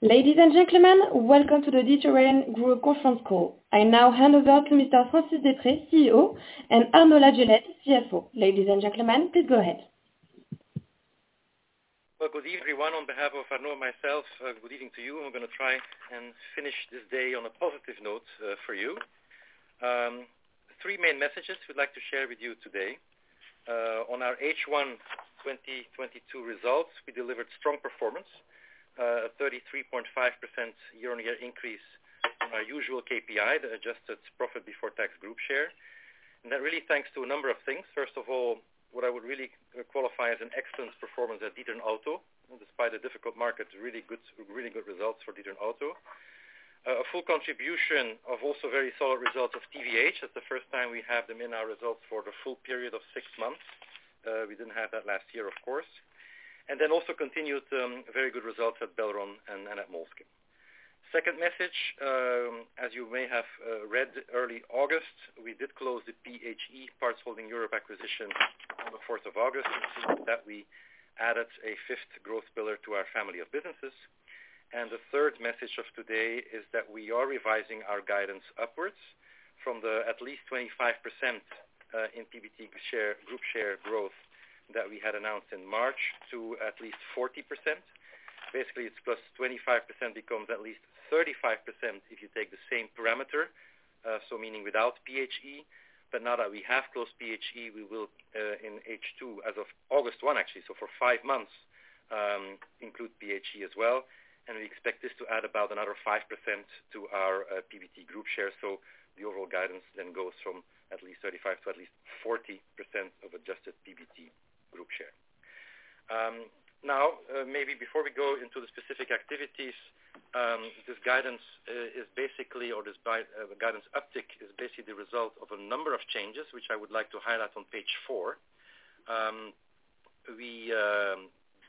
Ladies and gentlemen, welcome to the D'Ieteren Group conference call. I now hand over to Mr. Francis Deprez, CEO, and Arnaud Laviolette, CFO. Ladies and gentlemen, please go ahead. Well, good evening, everyone. On behalf of Arnaud and myself, good evening to you. I'm gonna try and finish this day on a positive note for you. Three main messages we'd like to share with you today. On our H1 2022 results, we delivered strong performance, a 33.5% year-on-year increase in our usual KPI, the adjusted profit before tax group share. That really thanks to a number of things. First of all, what I would really qualify as an excellent performance at D'Ieteren Auto, despite a difficult market, really good results for D'Ieteren Auto. A full contribution of also very solid results of TVH. That's the first time we have them in our results for the full period of six months. We didn't have that last year, of course. Then also continued very good results at Belron and at Moleskine. Second message, as you may have read early August, we did close the PHE, Parts Holding Europe acquisition on the fourth of August, and with that we added a fifth growth pillar to our family of businesses. The third message of today is that we are revising our guidance upwards from the at least 25% in PBT group share growth that we had announced in March to at least 40%. Basically, it's +25% becomes at least 35% if you take the same parameter, so meaning without PHE. Now that we have closed PHE, we will in H2 as of August 1, actually, so for five months, include PHE as well. We expect this to add about another 5% to our PBT group share. The overall guidance then goes from at least 35 to at least 40% of adjusted PBT group share. Now, maybe before we go into the specific activities, this guidance is basically the guidance uptick is basically the result of a number of changes, which I would like to highlight on page four. We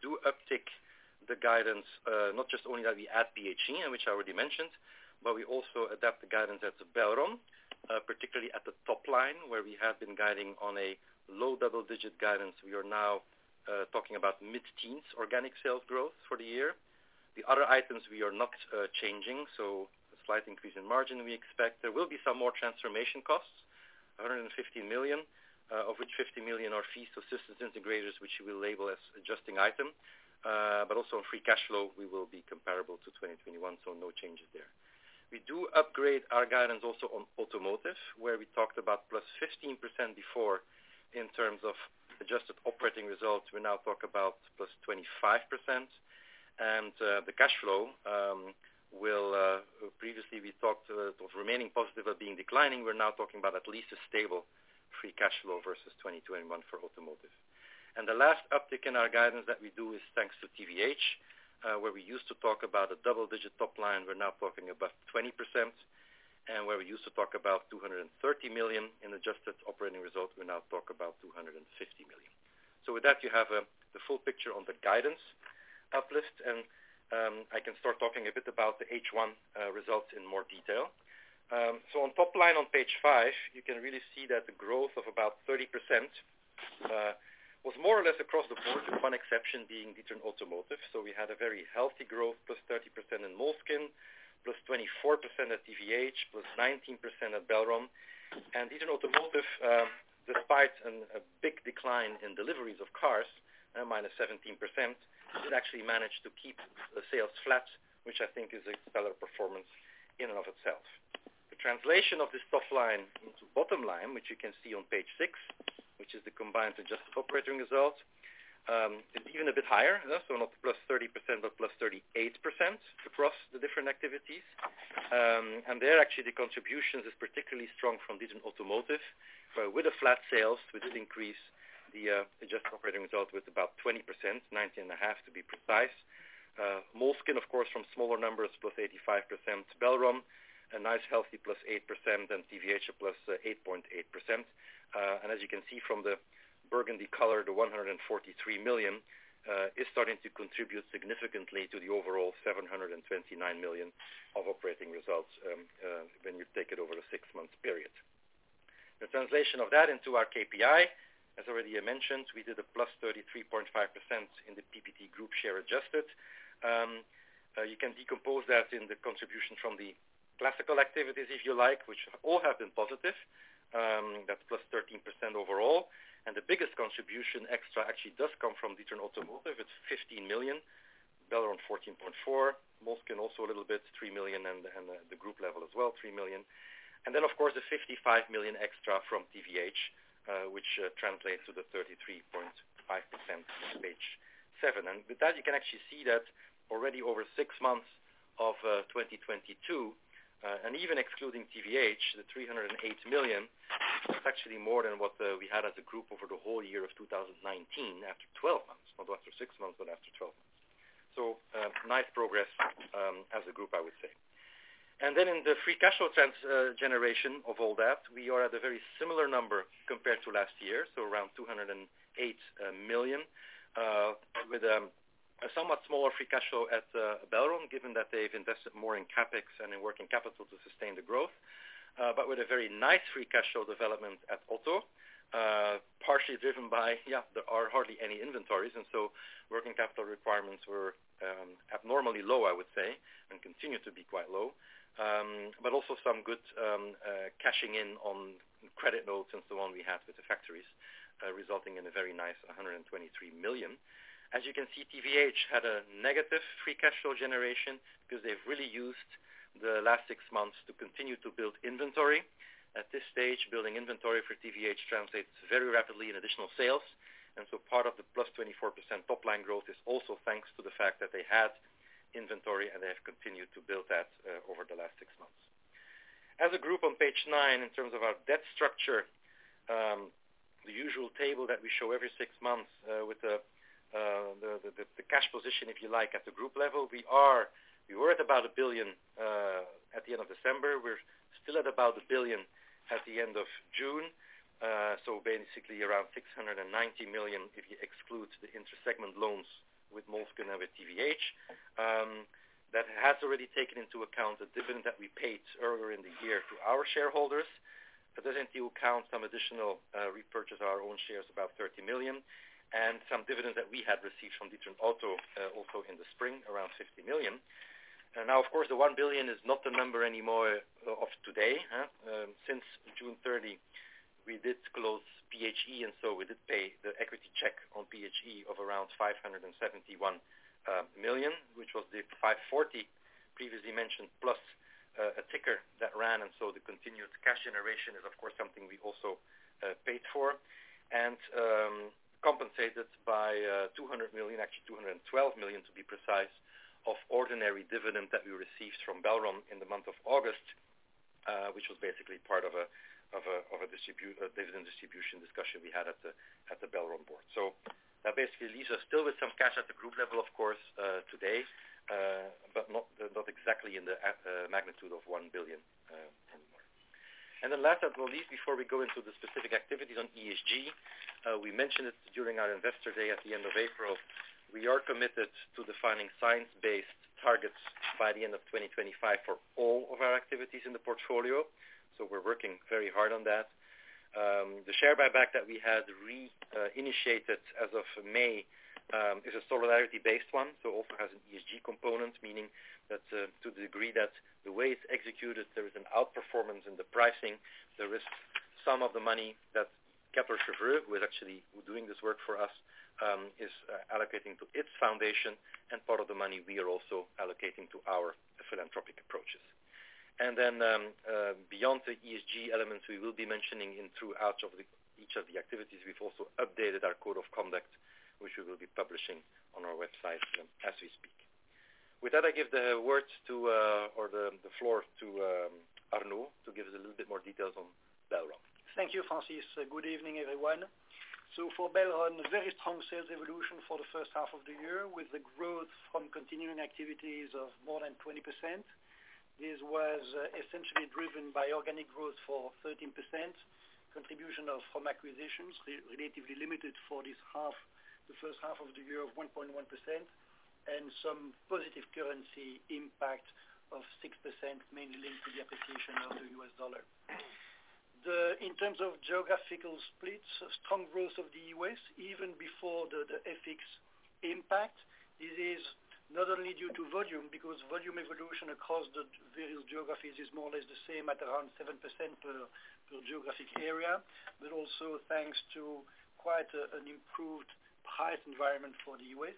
do uptick the guidance, not just only that we add PHE, which I already mentioned, but we also adapt the guidance at Belron, particularly at the top line, where we have been guiding on a low double-digit guidance. We are now talking about mid-teens organic sales growth for the year. The other items we are not changing, so a slight increase in margin we expect. There will be some more transformation costs, 150 million, of which 50 million are fees to systems integrators, which we label as adjusting item. Also on free cash flow, we will be comparable to 2021, so no changes there. We do upgrade our guidance also on automotive, where we talked about +15% before in terms of adjusted operating results. We now talk about +25%. The cash flow, previously we talked of remaining positive but being declining. We're now talking about at least a stable free cash flow versus 2021 for automotive. The last uptick in our guidance that we do is thanks to TVH, where we used to talk about a double-digit top line, we're now talking about 20%. Where we used to talk about 230 million in adjusted operating results, we now talk about 250 million. With that, you have the full picture on the guidance uplift. I can start talking a bit about the H1 results in more detail. On top line on page five, you can really see that the growth of about 30% was more or less across the board, with one exception being D'Ieteren Automotive. We had a very healthy growth, +30% in Moleskine, +24% at TVH, +19% at Belron. D'Ieteren Automotive, despite a big decline in deliveries of cars, -17%, it actually managed to keep the sales flat, which I think is a stellar performance in and of itself. The translation of this top line into bottom line, which you can see on page six, which is the combined adjusted operating results, is even a bit higher. Not +30%, but +38% across the different activities. There actually the contributions is particularly strong from D'Ieteren Automotive, with the flat sales, which increase the, adjusted operating result with about 20%, 19.5 to be precise. Moleskine of course from smaller numbers, +85%. Belron, a nice healthy +8%, and TVH +8.8%. As you can see from the burgundy color, the 143 million is starting to contribute significantly to the overall 729 million of operating results, when you take it over a six-month period. The translation of that into our KPI, as already mentioned, we did a +33.5% in the PBT group share adjusted. You can decompose that in the contribution from the classical activities, if you like, which all have been positive. That's +13% overall. The biggest contribution extra actually does come from D'Ieteren Automotive. It's 15 million, Belron 14.4 million, Moleskine also a little bit, 3 million, and the group level as well, 3 million. Then of course, the 55 million extra from TVH, which translates to the 33.5% on page seven. With that, you can actually see that already over six months of 2022, and even excluding TVH, 308 million is actually more than what we had as a group over the whole year of 2019 after 12 months. Not after six months, but after 12 months. Nice progress as a group, I would say. In the free cash flow generation of all that, we are at a very similar number compared to last year, so around 208 million, with a somewhat smaller free cash flow at Belron, given that they've invested more in CapEx and in working capital to sustain the growth. But with a very nice free cash flow development at Auto, partially driven by yeah, there are hardly any inventories, and so working capital requirements were abnormally low, I would say, and continue to be quite low. But also some good cashing in on credit notes and so on we have with the factories, resulting in a very nice 123 million. As you can see, TVH had a negative free cash flow generation because they've really used the last six months to continue to build inventory. At this stage, building inventory for TVH translates very rapidly in additional sales, and so part of the +24% top line growth is also thanks to the fact that they had inventory, and they have continued to build that over the last six months. As a group on page nine, in terms of our debt structure, the usual table that we show every six months, with the cash position, if you like, at the group level, we were at about 1 billion at the end of December. We're still at about 1 billion at the end of June. Basically around 690 million, if you exclude the intersegment loans with Moleskine, Belron, TVH. That has already taken into account the dividend that we paid earlier in the year to our shareholders. That doesn't take into account some additional repurchase our own shares, about 30 million, and some dividends that we had received from D'Ieteren Auto also in the spring, around 50 million. Now, of course, the 1 billion is not the number anymore of today. Since June 30, we did close PHE, and so we did pay the equity check on PHE of around 571 million, which was the 540 million previously mentioned, plus a kicker that ran, and so the continued cash generation is of course something we also paid for. Compensated by 200 million, actually 212 million to be precise, of ordinary dividend that we received from Belron in the month of August, which was basically part of a dividend distribution discussion we had at the Belron board. That basically leaves us still with some cash at the group level, of course, today, but not exactly in the magnitude of 1 billion anymore. Then last but not least, before we go into the specific activities on ESG, we mentioned it during our Investor Day at the end of April. We are committed to defining science-based targets by the end of 2025 for all of our activities in the portfolio, so we're working very hard on that. The share buyback that we had initiated as of May is a solidarity-based one, so also has an ESG component, meaning that to the degree that the way it's executed, there is an outperformance in the pricing. There is some of the money that Kepler Cheuvreux, who is actually doing this work for us, is allocating to its foundation, and part of the money we are also allocating to our philanthropic approaches. Beyond the ESG elements we will be mentioning in each of the activities, we've also updated our code of conduct, which we will be publishing on our website as we speak. With that, I give the floor to Arnaud to give us a little bit more details on Belron. Thank you, Francis. Good evening, everyone. For Belron, very strong sales evolution for the H1 of the year with the growth from continuing activities of more than 20%. This was essentially driven by organic growth of 13%, contribution from acquisitions, relatively limited for this half, the H1 of the year, of 1.1%, and some positive currency impact of 6%, mainly linked to the appreciation of the U.S. dollar. In terms of geographical splits, strong growth of the U.S. even before the FX impact. This is not only due to volume, because volume evolution across the various geographies is more or less the same at around 7% per geographic area, but also thanks to quite an improved price environment for the U.S.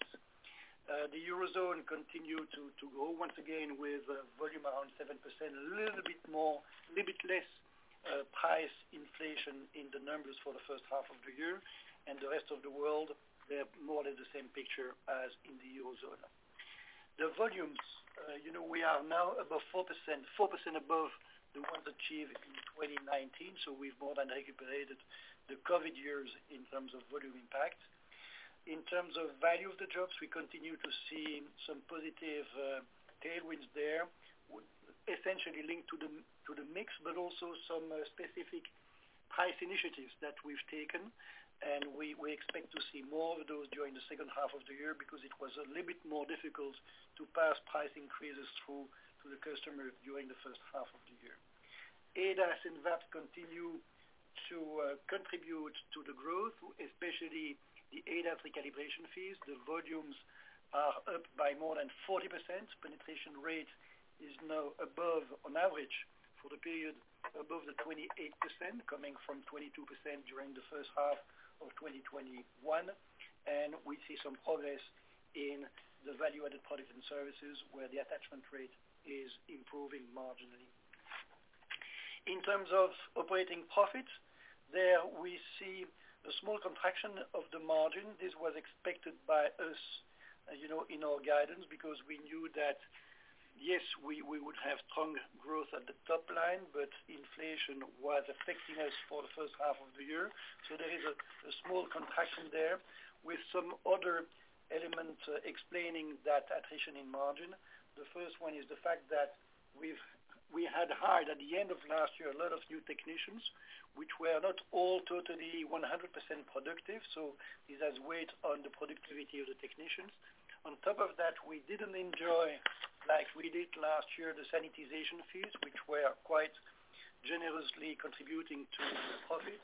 The Eurozone continued to grow once again with volume around 7%, a little bit less price inflation in the numbers for the H1 of the year. The rest of the world, they're more or less the same picture as in the Eurozone. The volumes, you know, we are now above 4%, 4% above the ones achieved in 2019, so we've more than recuperated the COVID years in terms of volume impact. In terms of value of the jobs, we continue to see some positive tailwinds there, essentially linked to the mix, but also some specific price initiatives that we've taken. We expect to see more of those during the H2 of the year because it was a little bit more difficult to pass price increases through to the customer during the H1 of the year. ADAS and that continue to contribute to the growth, especially the ADAS recalibration fees. The volumes are up by more than 40%. Penetration rate is now above, on average for the period, above the 28%, coming from 22% during the H1 of 2021. We see some progress in the value-added products and services, where the attachment rate is improving marginally. In terms of operating profit, there we see a small contraction of the margin. This was expected by us, as you know, in our guidance, because we knew that we would have strong growth at the top line, but inflation was affecting us for the H1 of the year. There is a small contraction there with some other element explaining that attrition in margin. The first one is the fact that we had hired at the end of last year a lot of new technicians which were not all totally 100% productive, so this has weighed on the productivity of the technicians. On top of that, we didn't enjoy like we did last year, the sanitization fees, which were quite generously contributing to profit.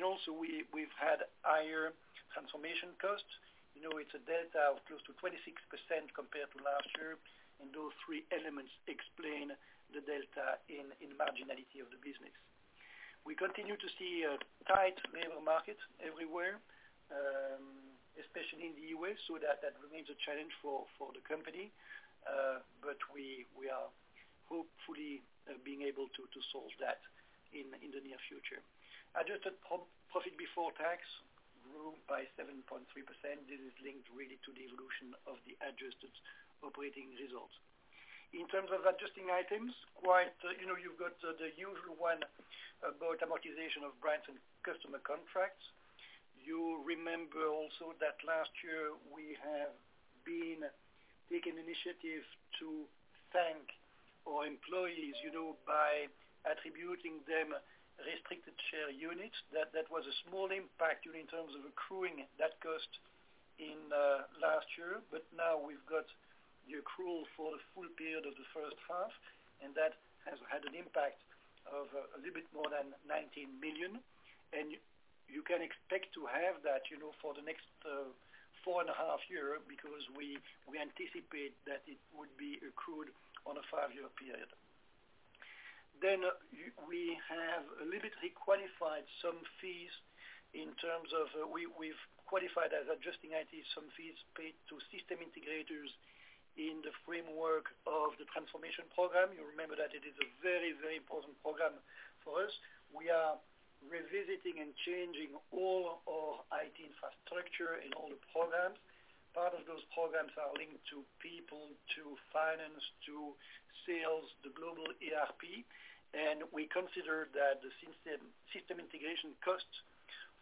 Also, we've had higher transformation costs. You know, it's a delta of close to 26% compared to last year, and those three elements explain the delta in the marginality of the business. We continue to see a tight labor market everywhere, especially in the U.S., so that remains a challenge for the company. But we are hopefully being able to solve that in the near future. Adjusted profit before tax grew by 7.3%. This is linked really to the evolution of the adjusted operating results. In terms of adjusting items, quite, you know, you've got the usual one about amortization of brands and customer contracts. You remember also that last year we have been taking initiative to thank our employees, you know, by attributing them restricted share units. That was a small impact in terms of accruing that cost in last year. Now we've got the accrual for the full period of the H1, and that has had an impact of a little bit more than 19 million. You can expect to have that, you know, for the next four and a half year because we anticipate that it would be accrued on a five-year period. We have a little bit requalified some fees in terms of we've qualified as adjusting items some fees paid to system integrators in the framework of the transformation program. You remember that it is a very, very important program for us. We are revisiting and changing all our IT infrastructure and all the programs. Part of those programs are linked to people, to finance, to sales, the global ERP. We consider that the system integration costs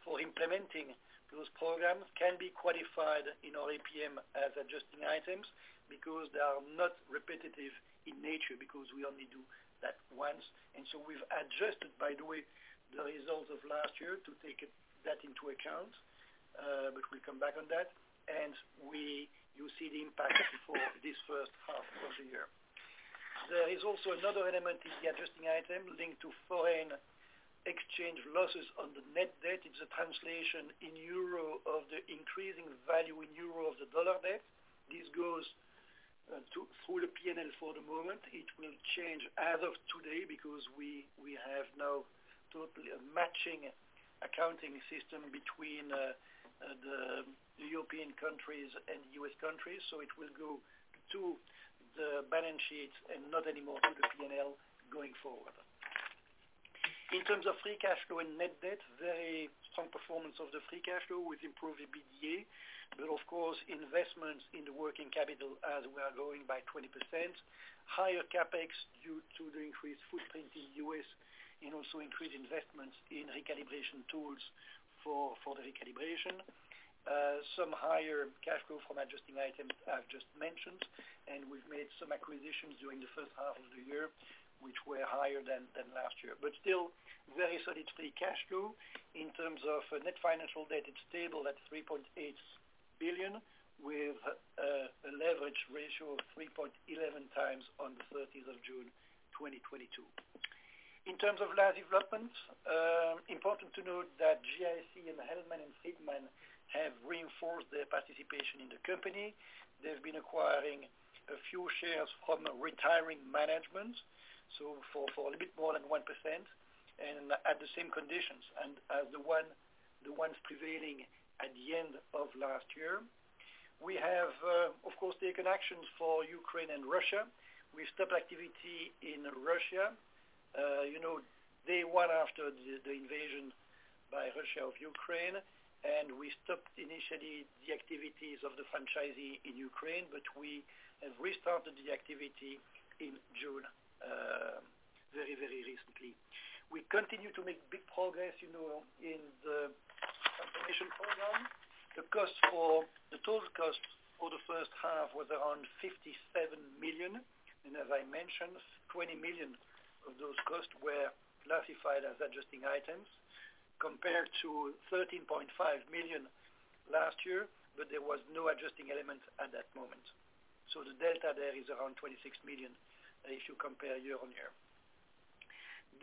for implementing those programs can be qualified in our APM as adjusting items because they are not repetitive in nature because we only do that once. We've adjusted, by the way, the results of last year to take that into account, but we'll come back on that. You see the impact for this H1 of the year. There is also another element in the adjusting item linked to foreign exchange losses on the net debt. It's a translation in euro of the increasing value in euro of the U.S. dollar debt. This goes through the P&L for the moment. It will change as of today because we have now totally a matching accounting system between the European countries and U.S. countries. It will go to the balance sheet and not anymore through the P&L going forward. In terms of free cash flow and net debt, very strong performance of the free cash flow with improved EBITDA. Of course, investments in the working capital as we are growing by 20%, higher CapEx due to the increased footprint in the U.S., and also increased investments in recalibration tools for the recalibration. Some higher cash flow from adjusting items I've just mentioned, and we've made some acquisitions during the H1 of the year, which were higher than last year. Still very solid free cash flow. In terms of net financial debt, it's stable at 3.8 billion with a leverage ratio of 3.11x on the June, 13th, 2022. In terms of large developments, important to note that GIC and Hellman & Friedman have reinforced their participation in the company. They've been acquiring a few shares from retiring management, so for a bit more than 1% and at the same conditions and as the ones prevailing at the end of last year. We have, of course, taken action for Ukraine and Russia. We stopped activity in Russia, you know, day one after the invasion by Russia of Ukraine. We stopped initially the activities of the franchisee in Ukraine, but we have restarted the activity in June, very recently. We continue to make big progress, you know, in the transformation program. The total cost for the H1 was around 57 million. As I mentioned, 20 million of those costs were classified as adjusting items compared to 13.5 million last year, but there was no adjusting element at that moment. The delta there is around 26 million if you compare year on year.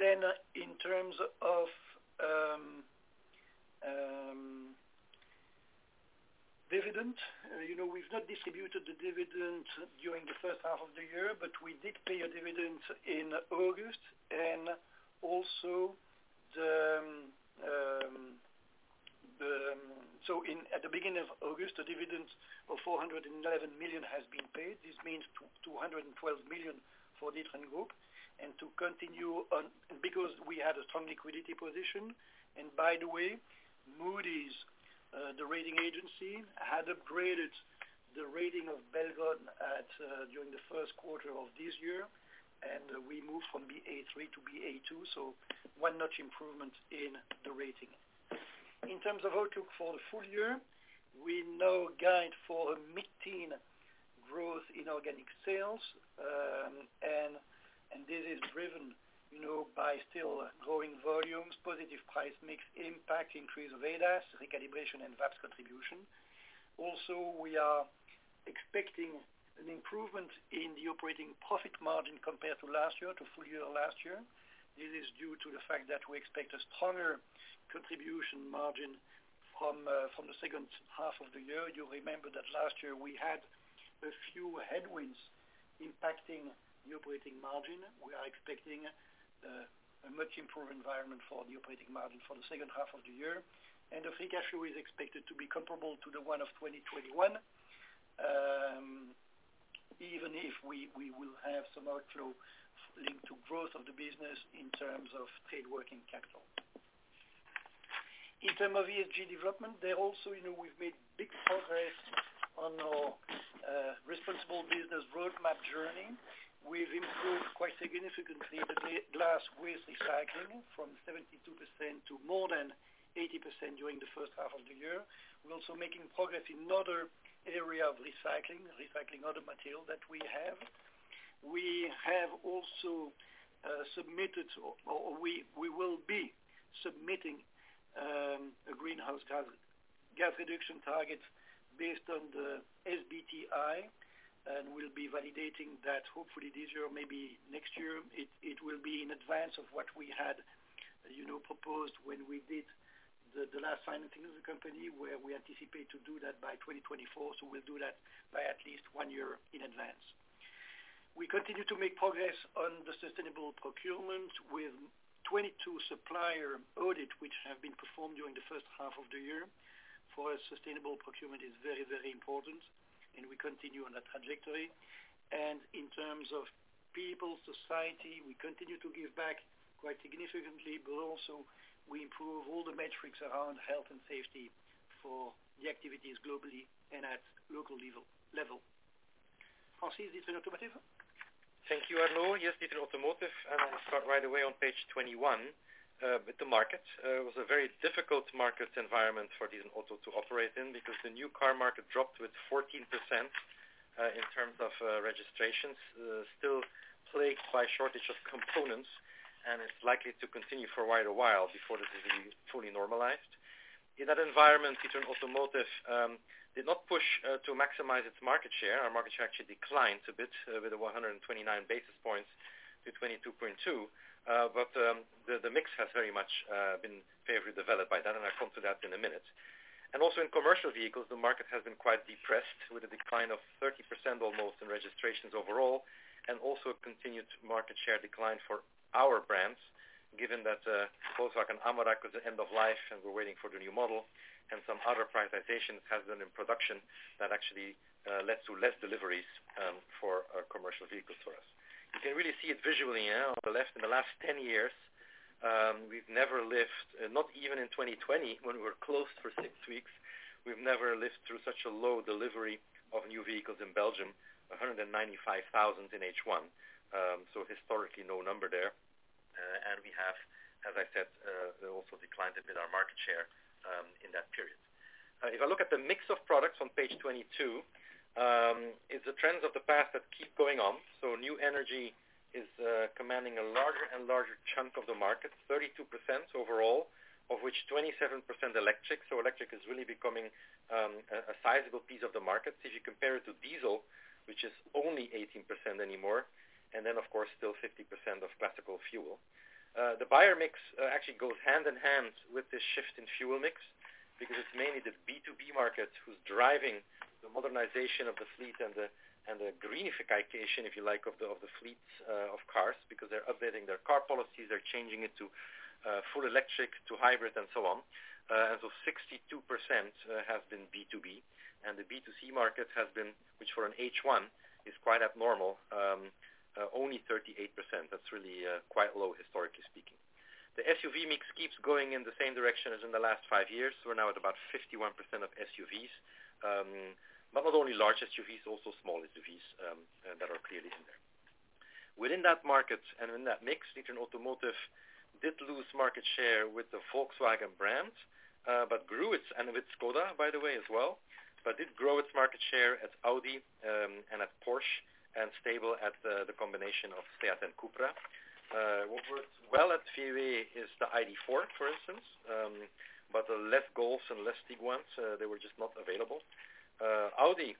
In terms of dividend, you know, we've not distributed the dividend during the H1 of the year, but we did pay a dividend in August and at the beginning of August, the dividend of 411 million has been paid. This means 212 million for D'Ieteren Group. To continue on, because we had a strong liquidity position, and by the way, Moody's, the rating agency, had upgraded the rating of Belron during the Q1 of this year, and we moved from Ba3 to Ba2, so one notch improvement in the rating. In terms of outlook for the full year, we now guide for a mid-teen growth in organic sales. This is driven, you know, by still growing volumes, positive price mix impact, increased ADAS recalibration, and VAPS contribution. Also, we are expecting an improvement in the operating profit margin compared to last year, to full year last year. This is due to the fact that we expect a stronger contribution margin from the H2 of the year. You remember that last year we had a few headwinds impacting the operating margin. We are expecting a much improved environment for the operating margin for the H2 of the year, and the free cash flow is expected to be comparable to the one of 2021. Even if we will have some outflow linked to growth of the business in terms of trade working capital. In terms of ESG development, we're also, you know, we've made big progress on our responsible business roadmap journey. We've improved quite significantly the glass waste recycling from 72% to more than 80% during the H1 of the year. We're also making progress in other areas of recycling other material that we have. We have also submitted or we will be submitting a greenhouse gas reduction targets based on the SBTi, and we'll be validating that hopefully this year, maybe next year. It will be in advance of what we had, you know, proposed when we did the last financing of the company, where we anticipate to do that by 2024. We'll do that by at least one year in advance. We continue to make progress on the sustainable procurement with 22 supplier audit, which have been performed during the H1 of the year. For us, sustainable procurement is very, very important and we continue on that trajectory. In terms of people, society, we continue to give back quite significantly, but also we improve all the metrics around health and safety for the activities globally and at local level. Francis, this is Automotive. Thank you, Arnaud. Yes, this is Automotive, and I'll start right away on page 21 with the market. It was a very difficult market environment for D'Ieteren Auto to operate in because the new car market dropped with 14% in terms of registrations, still plagued by shortage of components, and it's likely to continue for quite a while before this is fully normalized. In that environment, D'Ieteren Automotive did not push to maximize its market share. Our market share actually declined a bit with 129 basis points to 22.2. But the mix has very much been favorably developed by that, and I'll come to that in a minute. Also in commercial vehicles, the market has been quite depressed with a decline of 30% almost in registrations overall, and also a continued market share decline for our brands. Given that, Volkswagen Amarok is end of life and we're waiting for the new model and some other prioritizations has been in production that actually led to less deliveries for our commercial vehicles for us. You can really see it visually on the left. In the last 10 years, we've never lived, not even in 2020 when we were closed for six weeks, we've never lived through such a low delivery of new vehicles in Belgium, 195,000 in H1. So historically, no number there. We have, as I said, also declined a bit our market share in that period. If I look at the mix of products on page 22, it's the trends of the past that keep going on. New energy is commanding a larger and larger chunk of the market, 32% overall, of which 27% electric. Electric is really becoming a sizable piece of the market if you compare it to diesel, which is only 18% anymore. Of course, still 50% of classical fuel. The buyer mix actually goes hand in hand with this shift in fuel mix because it's mainly the B2B market who's driving the modernization of the fleet and the greenification, if you like, of the fleets of cars because they're updating their car policies, they're changing it to full electric to hybrid and so on. 62% has been B2B, and the B2C market has been, which for an H1 is quite abnormal, only 38%. That's really quite low historically speaking. The SUV mix keeps going in the same direction as in the last five years. We're now at about 51% of SUVs. But not only large SUVs, also small SUVs that are clearly in there. Within that market and in that mix, D'Ieteren Automotive did lose market share with the Volkswagen brand and with Škoda by the way as well, but did grow its market share at Audi and at Porsche and stable at the combination of SEAT and CUPRA. What works well at VW is the ID.4, for instance, but less Golfs and less Tiguans, they were just not available. Audi,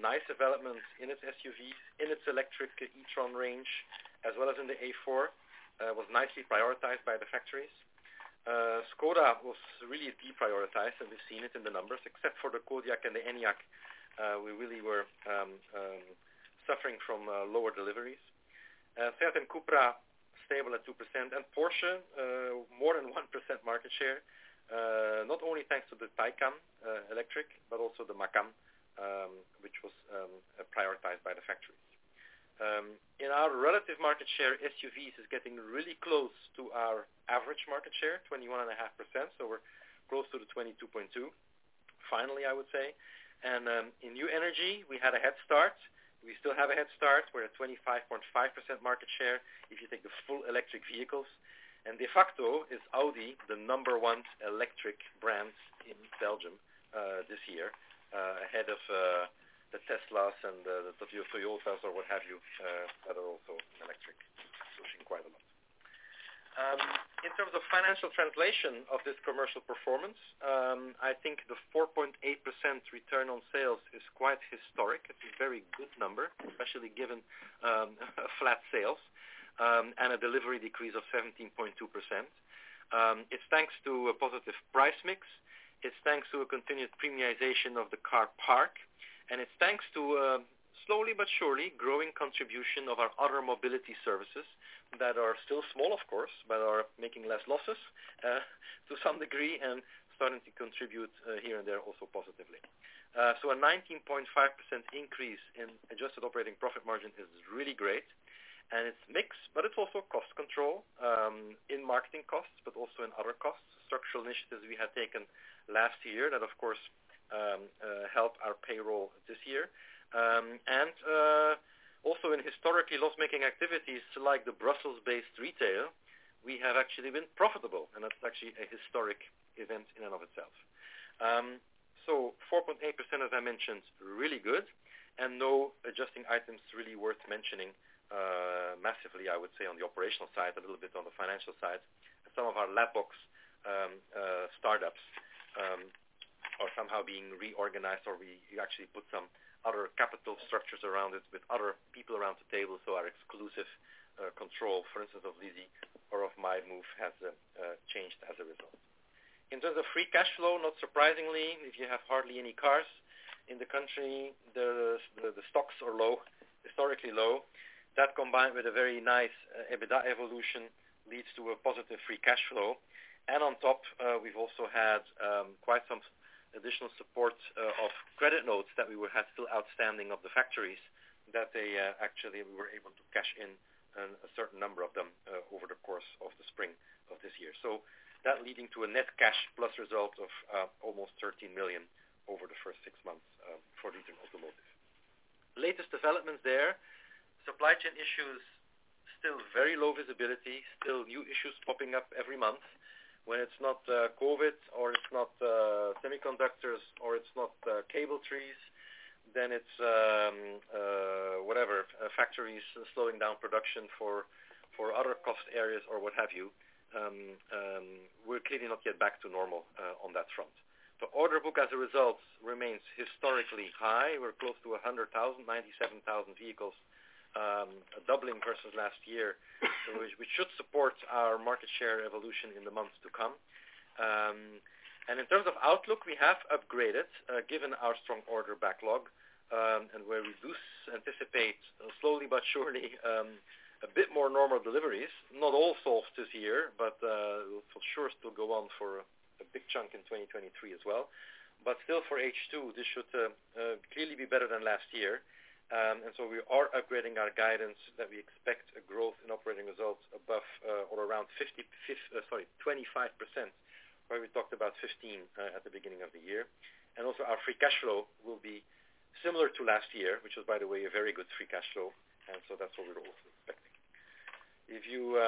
nice development in its SUVs, in its electric e-tron range, as well as in the A4, was nicely prioritized by the factories. Škoda was really deprioritized, and we've seen it in the numbers except for the Kodiaq and the Enyaq. We really were suffering from lower deliveries. SEAT and CUPRA stable at 2%, and Porsche, more than 1% market share. Not only thanks to the Taycan electric, but also the Macan, which was prioritized by the factories. In our relative market share, SUVs is getting really close to our average market share, 21.5%, so we're close to the 22.2%. Finally, I would say. In New Energy, we had a head start. We still have a head start. We're at 25.5% market share, if you take the full electric vehicles. De facto, Audi is the number one electric brand in Belgium this year, ahead of the Teslas and the Toyotas or what have you that are also an electric solution quite a lot. In terms of financial translation of this commercial performance, I think the 4.8% return on sales is quite historic. It's a very good number, especially given flat sales and a delivery decrease of 17.2%. It's thanks to a positive price mix, it's thanks to a continued premiumization of the car park, and it's thanks to a slowly but surely growing contribution of our other mobility services that are still small, of course, but are making less losses, to some degree, and starting to contribute, here and there also positively. A 19.5% increase in adjusted operating profit margin is really great. It's mix, but it's also cost control in marketing costs, but also in other costs. Structural initiatives we had taken last year that of course help our payroll this year. Also in historically loss-making activities like the Brussels-based retail, we have actually been profitable, and that's actually a historic event in and of itself. 4.8%, as I mentioned, really good. No adjusting items really worth mentioning massively, I would say, on the operational side, a little bit on the financial side. Some of our Lab Box startups are somehow being reorganized, or we actually put some other capital structures around it with other people around the table. Our exclusive control, for instance, of LIZY or of MyMove has changed as a result. In terms of free cash flow, not surprisingly, if you have hardly any cars in the country, the stocks are low, historically low. That combined with a very nice EBITDA evolution leads to a positive free cash flow. On top, we've also had quite some additional support of credit notes that we would have still outstanding of the factories that they actually we were able to cash in a certain number of them over the course of the spring of this year. That leading to a net cash plus result of almost 13 million over the first six months for D'Ieteren Automotive. Latest developments there. Supply chain issues, still very low visibility, still new issues popping up every month. When it's not COVID, or it's not semiconductors, or it's not cable trees, then it's whatever, factories slowing down production for other cost areas or what have you. We're clearly not yet back to normal on that front. The order book as a result remains historically high. We're close to 97,000 vehicles, doubling versus last year, which should support our market share evolution in the months to come. In terms of outlook, we have upgraded, given our strong order backlog, and we do anticipate slowly but surely a bit more normal deliveries. Not all solved this year, but for sure still go on for a big chunk in 2023 as well. Still for H2, this should clearly be better than last year. We are upgrading our guidance that we expect a growth in operating results above or around 25%, where we talked about 15% at the beginning of the year. Our free cash flow will be similar to last year, which was, by the way, a very good free cash flow, and so that's what we're also expecting. If you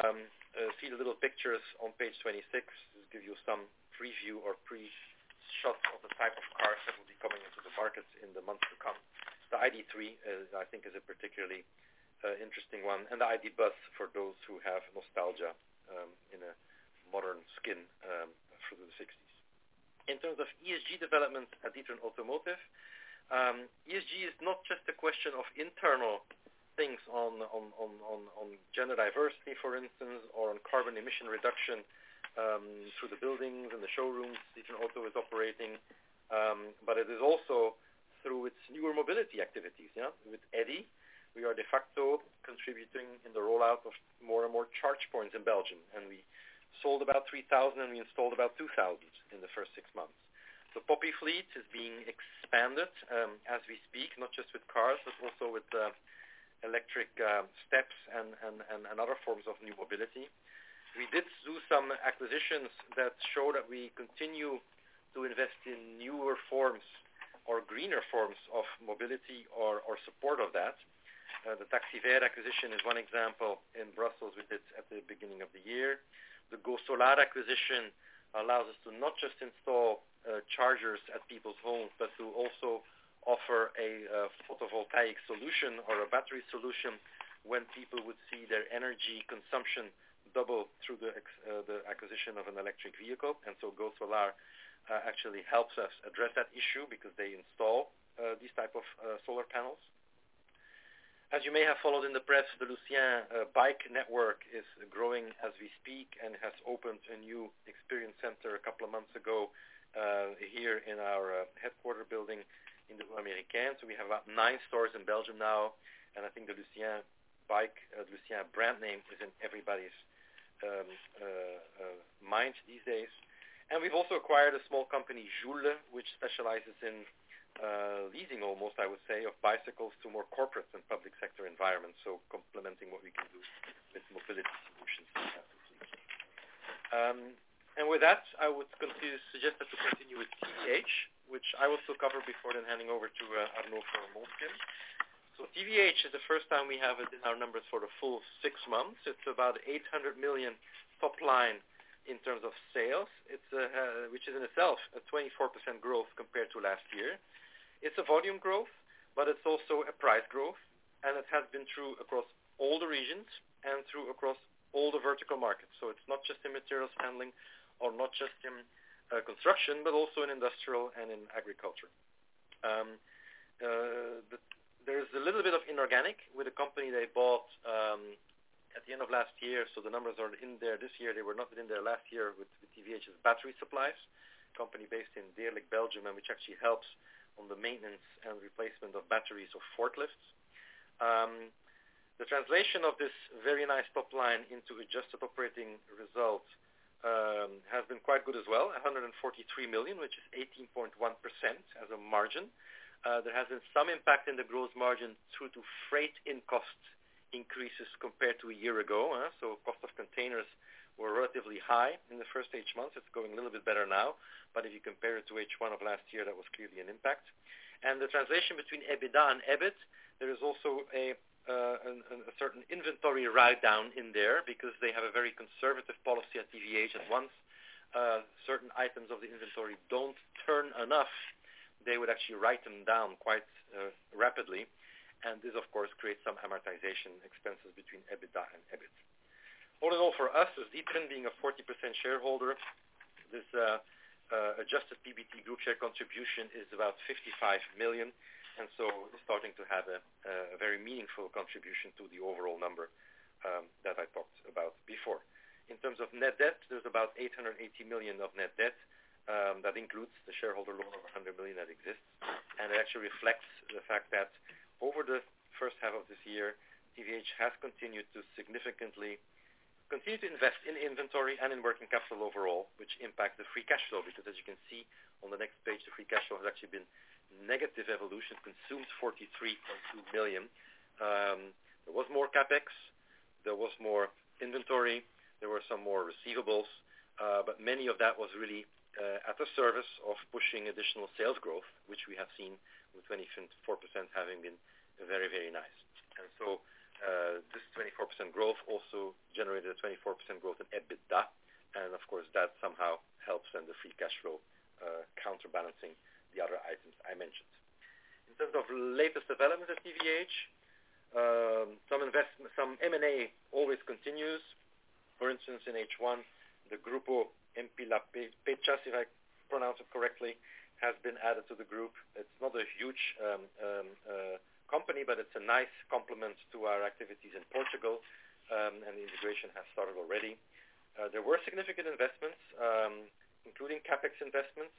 see the little pictures on page 26, it'll give you some preview or pre-shot of the type of cars that will be coming into the market in the months to come. The ID.3 is I think a particularly interesting one, and the ID. Buzz for those who have nostalgia in a modern skin from the 60s. In terms of ESG development at D'Ieteren Automotive, ESG is not just a question of internal things on gender diversity, for instance, or on carbon emission reduction through the buildings and the showrooms D'Ieteren Auto is operating. It is also through its newer mobility activities. You know, with EDI, we are de facto contributing in the rollout of more and more charge points in Belgium. We sold about 3,000, and we installed about 2,000 in the first six months. Poppy Fleet is being expanded, as we speak, not just with cars, but also with electric steps and other forms of new mobility. We did do some acquisitions that show that we continue to invest in newer forms or greener forms of mobility or support of that. The Taxis Verts acquisition is one example in Brussels, we did at the beginning of the year. The Go-Solar acquisition allows us to not just install chargers at people's homes, but to also offer a photovoltaic solution or a battery solution when people would see their energy consumption double through the acquisition of an electric vehicle. Go-Solar actually helps us address that issue because they install these type of solar panels. As you may have followed in the press, the Lucien bike network is growing as we speak and has opened a new experience center a couple of months ago here in our headquarters building in the Rue Américaine. We have about nine stores in Belgium now, and I think the Lucien bike Lucien brand name is in everybody's mind these days. We've also acquired a small company, Joule, which specializes in leasing almost, I would say, of bicycles to more corporate and public sector environments, complementing what we can do with mobility solutions. With that, I would suggest to continue with TVH, which I will still cover before then handing over to Arnaud for Moleskine. TVH is the first time we have it in our numbers for a full six months. It's about 800 million top line in terms of sales. It's which is in itself a 24% growth compared to last year. It's a volume growth, but it's also a price growth, and it has been through across all the regions and through across all the vertical markets. It's not just in materials handling or not just in construction, but also in industrial and in agriculture. There's a little bit of inorganic with a company they bought at the end of last year, so the numbers are in there this year. They were not in there last year with TVH's Battery Supplies, company based in Deerlijk, Belgium, and which actually helps on the maintenance and replacement of batteries of forklifts. The translation of this very nice top line into adjusted operating results has been quite good as well, 143 million, which is 18.1% as a margin. There has been some impact in the growth margin due to freight and cost increases compared to a year ago. Cost of containers were relatively high in the first H1 months. It's going a little bit better now. If you compare it to H1 of last year, that was clearly an impact. The translation between EBITDA and EBIT, there is also a certain inventory write down in there because they have a very conservative policy at TVH. Once certain items of the inventory don't turn enough, they would actually write them down quite rapidly. This, of course, creates some amortization expenses between EBITDA and EBIT. All in all, for us, as D'Ieteren being a 40% shareholder, this adjusted PBT group share contribution is about 55 million, starting to have a very meaningful contribution to the overall number that I talked about before. In terms of net debt, there's about 880 million of net debt that includes the shareholder loan of 100 million that exists. It actually reflects the fact that over the H1 of this year, TVH has continued to significantly invest in inventory and in working capital overall, which impacts the free cash flow. Because as you can see on the next page, the free cash flow has actually been negative evolution, consumed 43.2 billion. There was more CapEx, there was more inventory, there were some more receivables, but many of that was really at the service of pushing additional sales growth, which we have seen with 24% having been very, very nice. This 24% growth also generated a 24% growth in EBITDA. Of course, that somehow helps in the free cash flow, counterbalancing the other items I mentioned. In terms of latest development at TVH, some M&A always continues. For instance, in H1, the Grupo MP Lapa Peças, if I pronounce it correctly, has been added to the group. It's not a huge company, but it's a nice complement to our activities in Portugal, and the integration has started already. There were significant investments, including CapEx investments,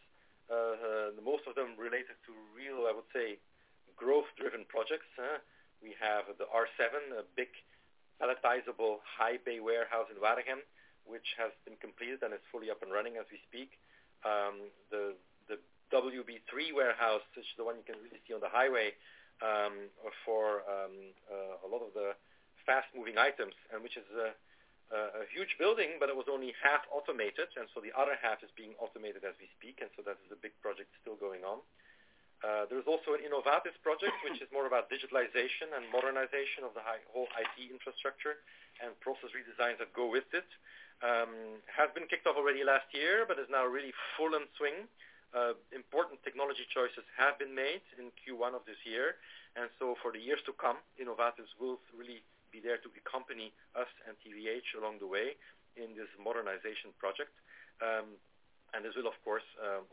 most of them related to real, I would say, growth-driven projects. We have the R7, a big palletizable high bay warehouse in Waregem, which has been completed and is fully up and running as we speak. The WB3 warehouse, which is the one you can really see on the highway, for a lot of the fast-moving items and which is a huge building, but it was only half automated, and so the other half is being automated as we speak. That is a big project still going on. There's also an Innovatus project, which is more about digitalization and modernization of the whole IT infrastructure and process redesigns that go with it. Have been kicked off already last year, but is now really in full swing. Important technology choices have been made in Q1 of this year, and for the years to come, Innovatus will really be there to accompany us and TVH along the way in this modernization project. This will, of course,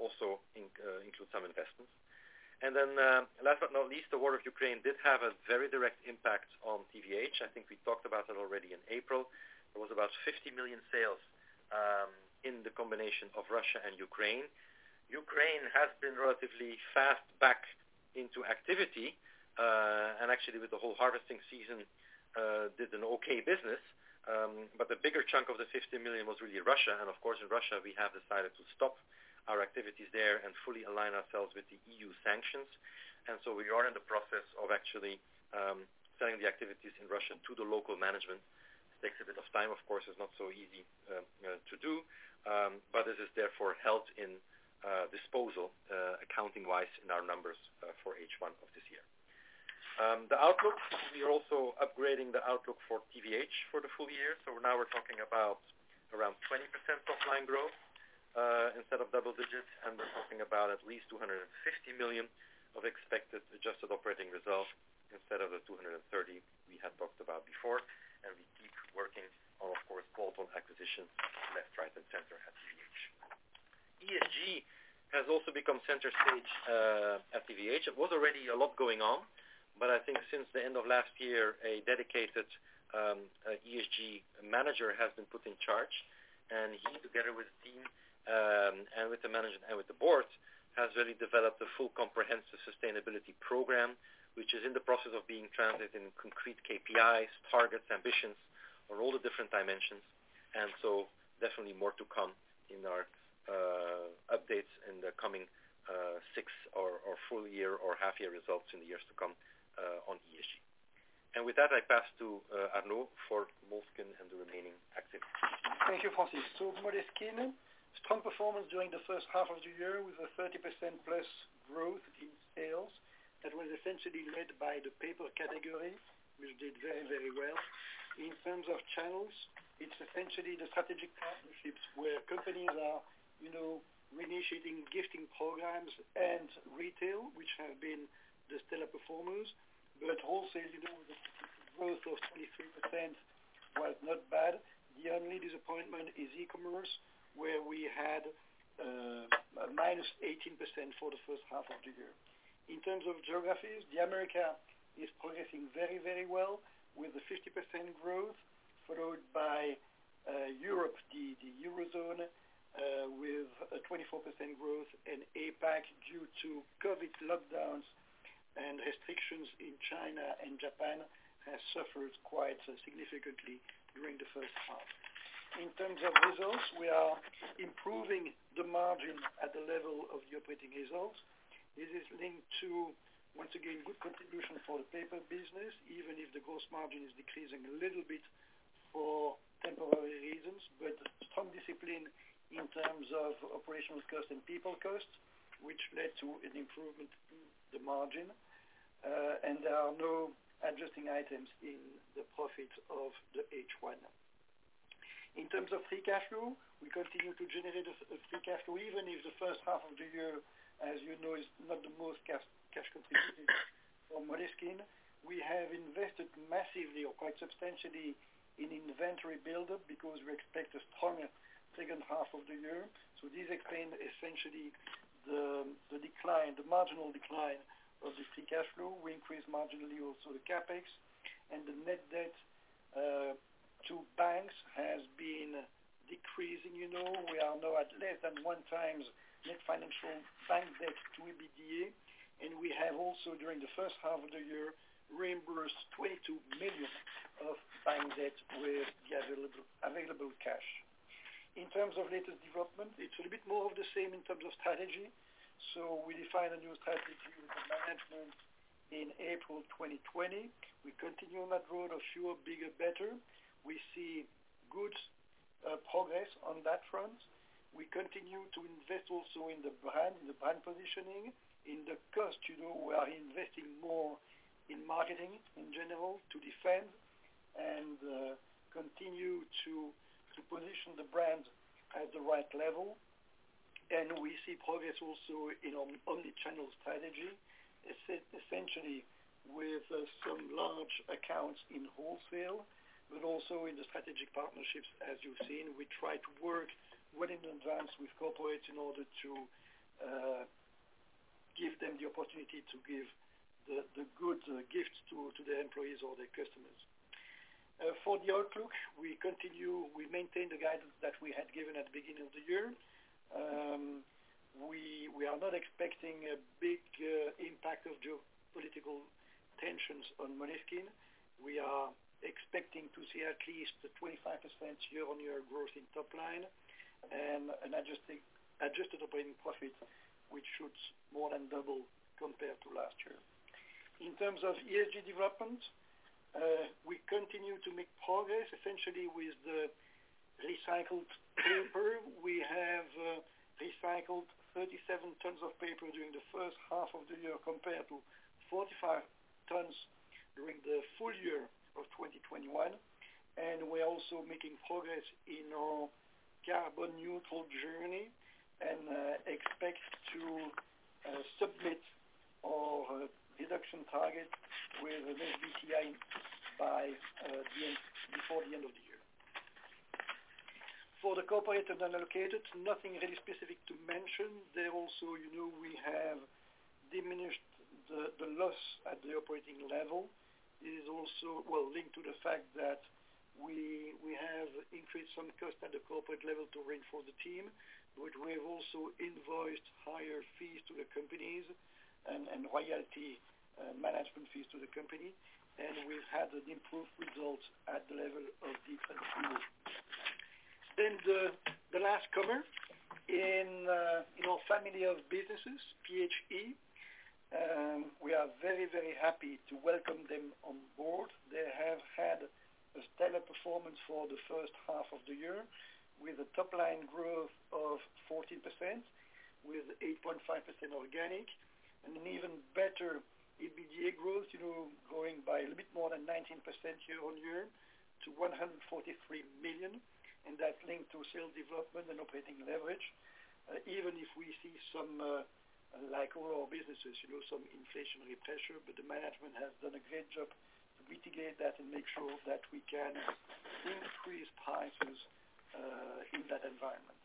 also include some investments. Then, last but not least, the war in Ukraine did have a very direct impact on TVH. I think we talked about that already in April. It was about 50 million sales, in the combination of Russia and Ukraine. Ukraine has been relatively fast back into activity, and actually with the whole harvesting season, did an okay business. The bigger chunk of the 50 million was really Russia. Of course, in Russia, we have decided to stop our activities there and fully align ourselves with the EU sanctions. We are in the process of actually selling the activities in Russia to the local management. It takes a bit of time, of course. It's not so easy to do, but this is therefore held in disposal accounting-wise in our numbers for H1 of this year. We are also upgrading the outlook for TVH for the full year. Now we're talking about around 20% top line growth, instead of double digits, and we're talking about at least 250 million of expected adjusted operating results instead of the 230 million we had talked about before. We keep working on, of course, multiple acquisitions left, right, and center at TVH. ESG has also become center stage at TVH. It was already a lot going on, but I think since the end of last year, a dedicated ESG manager has been put in charge. He, together with the team, and with the management and with the board, has really developed a full comprehensive sustainability program, which is in the process of being translated in concrete KPIs, targets, ambitions on all the different dimensions. Definitely more to come in our updates in the coming six or full year or half year results in the years to come, on ESG. With that, I pass to Arnaud for Moleskine and the remaining activities. Thank you, Francis. Moleskine, strong performance during the H1 of the year with a 30%+ growth in sales. That was essentially led by the paper category, which did very, very well. In terms of channels, it's essentially the strategic partnerships where companies are, you know, reinitiating gifting programs and retail, which have been the stellar performers. Wholesale, you know, the growth of 23% was not bad. The only disappointment is e-commerce, where we had minus 18% for the H1 of the year. In terms of geographies, the Americas is progressing very, very well with a 50% growth, followed by Europe, the Eurozone, with a 24% growth and APAC due to COVID lockdowns and restrictions in China and Japan has suffered quite significantly during the H1. In terms of results, we are improving the margin at the level of the operating results. This is linked to, once again, good contribution for the paper business, even if the gross margin is decreasing a little bit for temporary reasons, but strong discipline in terms of operational costs and people costs, which led to an improvement in the margin. And there are no adjusting items in the profit of the H1. In terms of free cash flow, we continue to generate a free cash flow, even if the H1 of the year, as you know, is not the most cash contributing for Moleskine. We have invested massively or quite substantially in inventory buildup because we expect a strong H2 of the year. This explains essentially the marginal decline of the free cash flow. We increased marginally also the CapEx and the net debt to banks has been decreasing. You know, we are now at less than 1x net financial bank debt to EBITDA, and we have also, during the H1 of the year, reimbursed 22 million of bank debt with the available cash. In terms of latest development, it's a little bit more of the same in terms of strategy. We defined a new strategy with the management in April 2020. We continue on that road of fewer, bigger, better. We see good progress on that front. We continue to invest also in the brand, in the brand positioning. In the cost, you know, we are investing more in marketing in general to defend and continue to position the brand at the right level. We see progress also in our omni-channel strategy, essentially with some large accounts in wholesale, but also in the strategic partnerships. As you've seen, we try to work well in advance with corporates in order to give them the opportunity to give the good gifts to their employees or their customers. For the outlook, we maintain the guidance that we had given at the beginning of the year. We are not expecting a big impact of geopolitical tensions on Moleskine. We are expecting to see at least 25% year-on-year growth in top line and an adjusted operating profit, which should more than double compared to last year. In terms of ESG development, we continue to make progress essentially with the recycled paper. We have recycled 37 tons of paper during the H1 of the year compared to 45 tons during the full year of 2021. We're also making progress in our carbon neutral journey and expect to submit our reduction target with an SBTi before the end of the year. For the corporate and allocated, nothing really specific to mention. We also, you know, we have diminished the loss at the operating level. This is also, well, linked to the fact that we have increased some cost at the corporate level to reinforce the team, but we have also invoiced higher fees to the companies and royalty management fees to the company. We've had an improved results at the level of the EBT. The last comer in our family of businesses, PHE. We are very, very happy to welcome them on board. They have had a stellar performance for the H1 of the year with a top-line growth of 14%, with 8.5% organic and an even better EBITDA growth, you know, growing by a little bit more than 19% year-on-year to 143 million. That linked to sales development and operating leverage, even if we see some, like all our businesses, you know, some inflationary pressure, but the management has done a great job to mitigate that and make sure that we can increase prices, in that environment.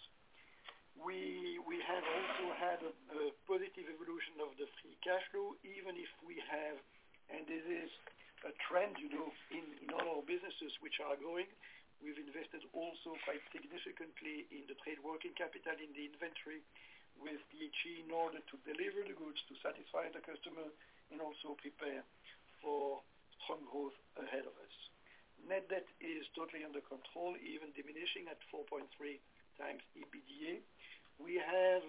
We have also had a positive evolution of the free cash flow, even if we have, and this is a trend, you know, in all our businesses which are growing. We've invested also quite significantly in the trade working capital, in the inventory with PHE in order to deliver the goods, to satisfy the customer, and also prepare for strong growth ahead of us. Net debt is totally under control, even diminishing at 4.3x EBITDA. We have,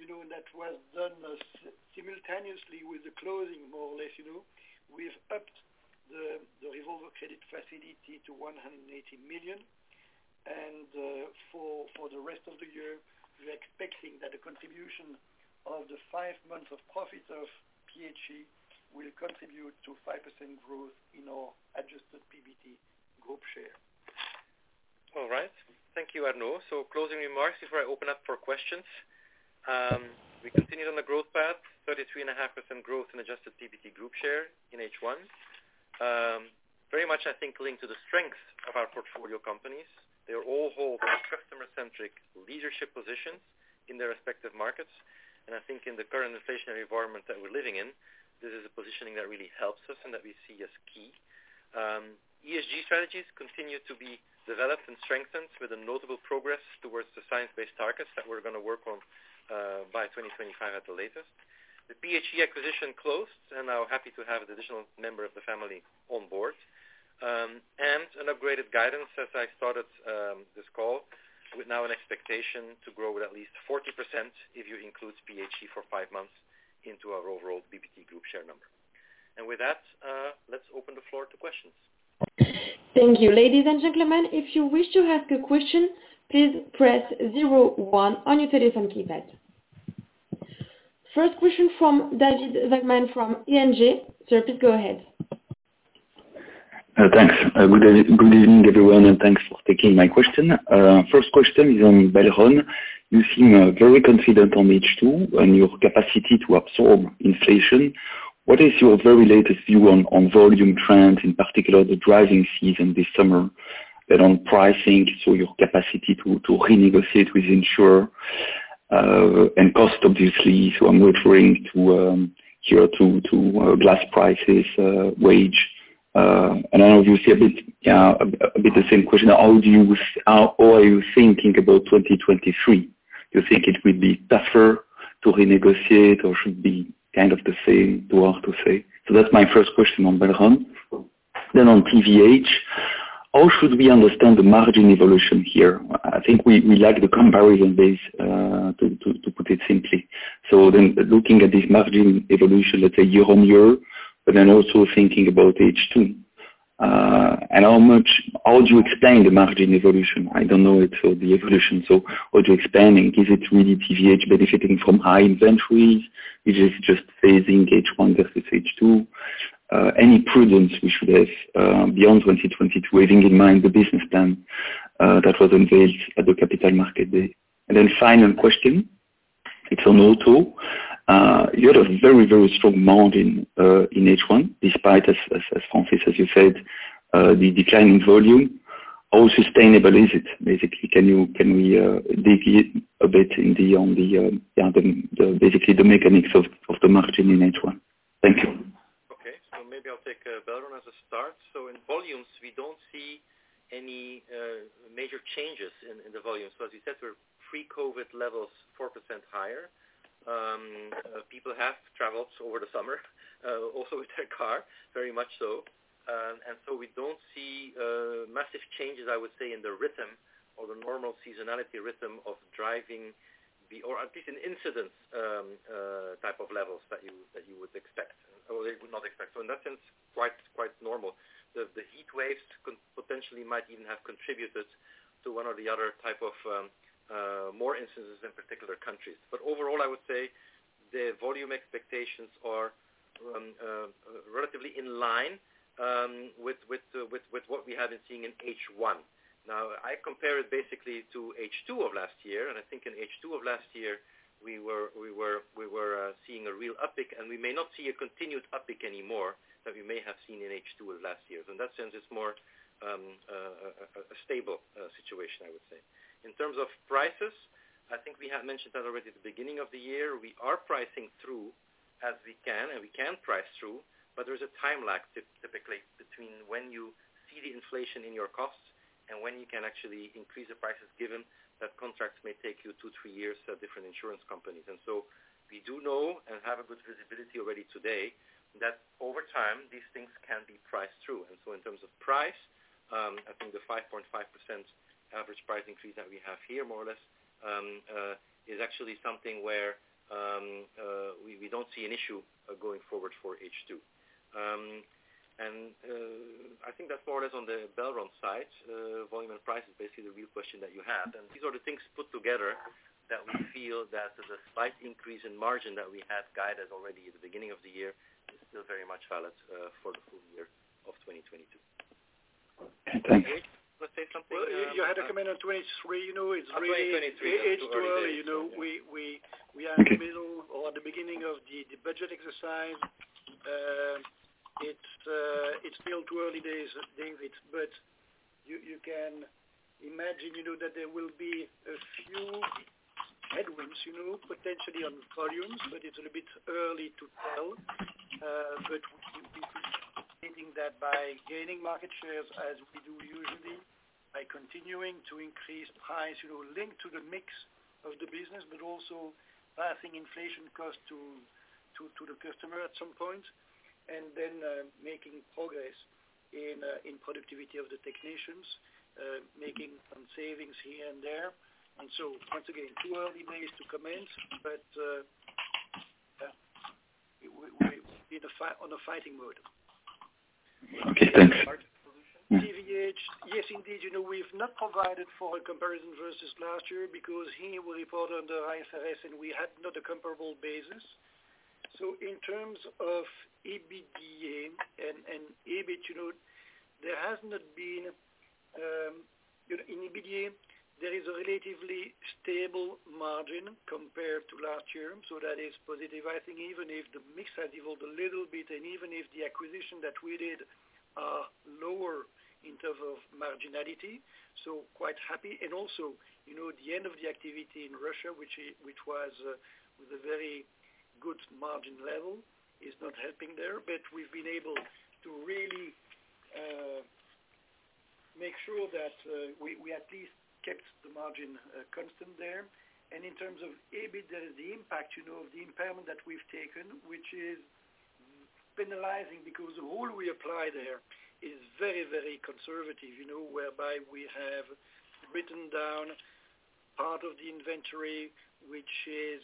you know, that was done simultaneously with the closing more or less, you know. We've upped the revolver credit facility to 180 million. For the rest of the year, we're expecting that the contribution of the five months of profits of PHE will contribute to 5% growth in our adjusted PBT group share. All right. Thank you, Arnaud. Closing remarks before I open up for questions. We continued on the growth path, 33.5% growth in adjusted PBT group share in H1. Very much I think linked to the strength of our portfolio companies. They all hold customer-centric leadership positions in their respective markets. I think in the current inflationary environment that we're living in, this is a positioning that really helps us and that we see as key. ESG strategies continue to be developed and strengthened with a notable progress towards the science-based targets that we're gonna work on by 2025 at the latest. The PHE acquisition closed, and now happy to have an additional member of the family on board. An upgraded guidance as I started this call, with now an expectation to grow with at least 40% if you include PHE for five months into our overall PBT group share number. With that, let's open the floor to questions. Thank you. Ladies and gentlemen, if you wish to ask a question, please press zero one on your telephone keypad. First question from David Havrlant from ING. Sir, please go ahead. Thanks. Good evening, everyone, and thanks for taking my question. First question is on Belron. You seem very confident on H2 on your capacity to absorb inflation. What is your very latest view on volume trends, in particular, the driving season this summer? Then on pricing, so your capacity to renegotiate with insurer and cost, obviously. I'm referring to cost, too, glass prices, wage. And I know you see a bit the same question. How are you thinking about 2023? You think it will be tougher to renegotiate or should be kind of the same, too hard to say? That's my first question on Belron. On PHE, how should we understand the margin evolution here? I think we like the comparison base to put it simply. Looking at this margin evolution, let's say year-on-year, but then also thinking about H2. How would you explain the margin evolution? Would you explain, is it really PHE benefiting from high inventories? Is it just phasing H1 versus H2? Any prudence we should have beyond 2022, having in mind the business plan that was unveiled at the capital market day. Final question, it's on auto. You had a very strong margin in H1, despite as Francis, as you said, the declining volume. How sustainable is it? Basically, can we dig it a bit on the mechanics of the margin in H1? Thank you. Okay. Maybe I'll take Belron as a start. In volumes, we don't see any major changes in the volumes. As you said, we're pre-COVID levels, 4% higher. People have traveled over the summer, also with their car, very much so. We don't see massive changes, I would say, in the rhythm or the normal seasonality rhythm of driving or at least in incidents, type of levels that you would expect. Or they would not expect. In that sense, quite normal. The heat waves potentially might even have contributed to one or the other type of more instances in particular countries. Overall, I would say the volume expectations are relatively in line with what we have been seeing in H1. Now, I compare it basically to H2 of last year, and I think in H2 of last year, we were seeing a real uptick, and we may not see a continued uptick anymore that we may have seen in H2 of last year. In that sense, it's more a stable situation, I would say. In terms of prices, I think we have mentioned that already at the beginning of the year, we are pricing through as we can, and we can price through, but there is a time lag typically between when you see the inflation in your costs and when you can actually increase the prices given that contracts may take you two, three years to have different insurance companies. We do know and have a good visibility already today that over time, these things can be priced through. In terms of price, I think the 5.5% average pricing fees that we have here more or less is actually something where we don't see an issue going forward for H2. I think that's more or less on the Belron side. Volume and price is basically the real question that you had. These are the things put together that we feel that the slight increase in margin that we had guided already at the beginning of the year is still very much valid for the full year of 2022. Thank you. Arnaud, you want to say something? Well, if you had a comment on 23, you know, it's really. On 2023. H2, you know, we are in the middle or the beginning of the budget exercise. It's still too early days, David, but you can imagine, you know, that there will be a few headwinds, you know, potentially on volumes, but it's a bit early to tell. But we're expecting that by gaining market shares as we do usually by continuing to increase price, you know, linked to the mix of the business, but also passing inflation cost to the customer at some point, and then making progress in productivity of the technicians, making some savings here and there. Once again, too early days to comment, but yeah, we on a fighting mode. Okay, thanks. TVH, yes, indeed. You know, we've not provided for a comparison versus last year because he will report under IFRS, and we had not a comparable basis. In terms of EBITDA and EBIT, you know, there has not been, you know, in EBITDA there is a relatively stable margin compared to last year. That is positive, I think even if the mix has evolved a little bit, and even if the acquisition that we did are lower in terms of marginality, so quite happy. You know, the end of the activity in Russia which was with a very good margin level is not helping there. We've been able to really make sure that we at least kept the margin constant there. In terms of EBIT, the impact, you know, the impairment that we've taken, which is penalizing because the rule we apply there is very, very conservative, you know, whereby we have written down part of the inventory, which is,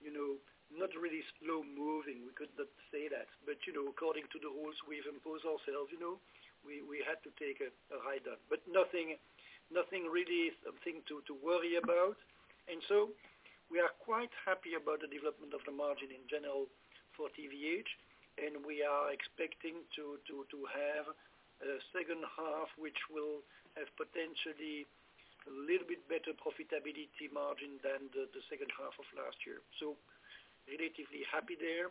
you know, not really slow moving. We could not say that. But, you know, according to the rules we've imposed ourselves, you know, we had to take a write down. But nothing really something to worry about. We are quite happy about the development of the margin in general for TVH. We are expecting to have a H2, which will have potentially a little bit better profitability margin than the H2 of last year. Relatively happy there.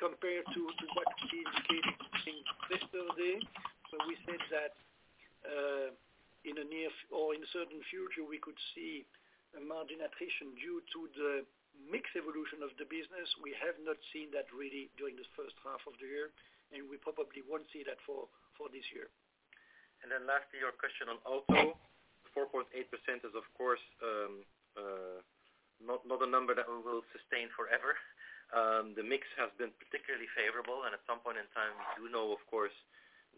Compared to what Steve indicated in Investor Day, we said that in the near or in the certain future, we could see a margin attrition due to the mix evolution of the business. We have not seen that really during this H1 of the year, and we probably won't see that for this year. Your question on Auto. 4.8% is of course not a number that we will sustain forever. The mix has been particularly favorable. At some point in time, we do know, of course,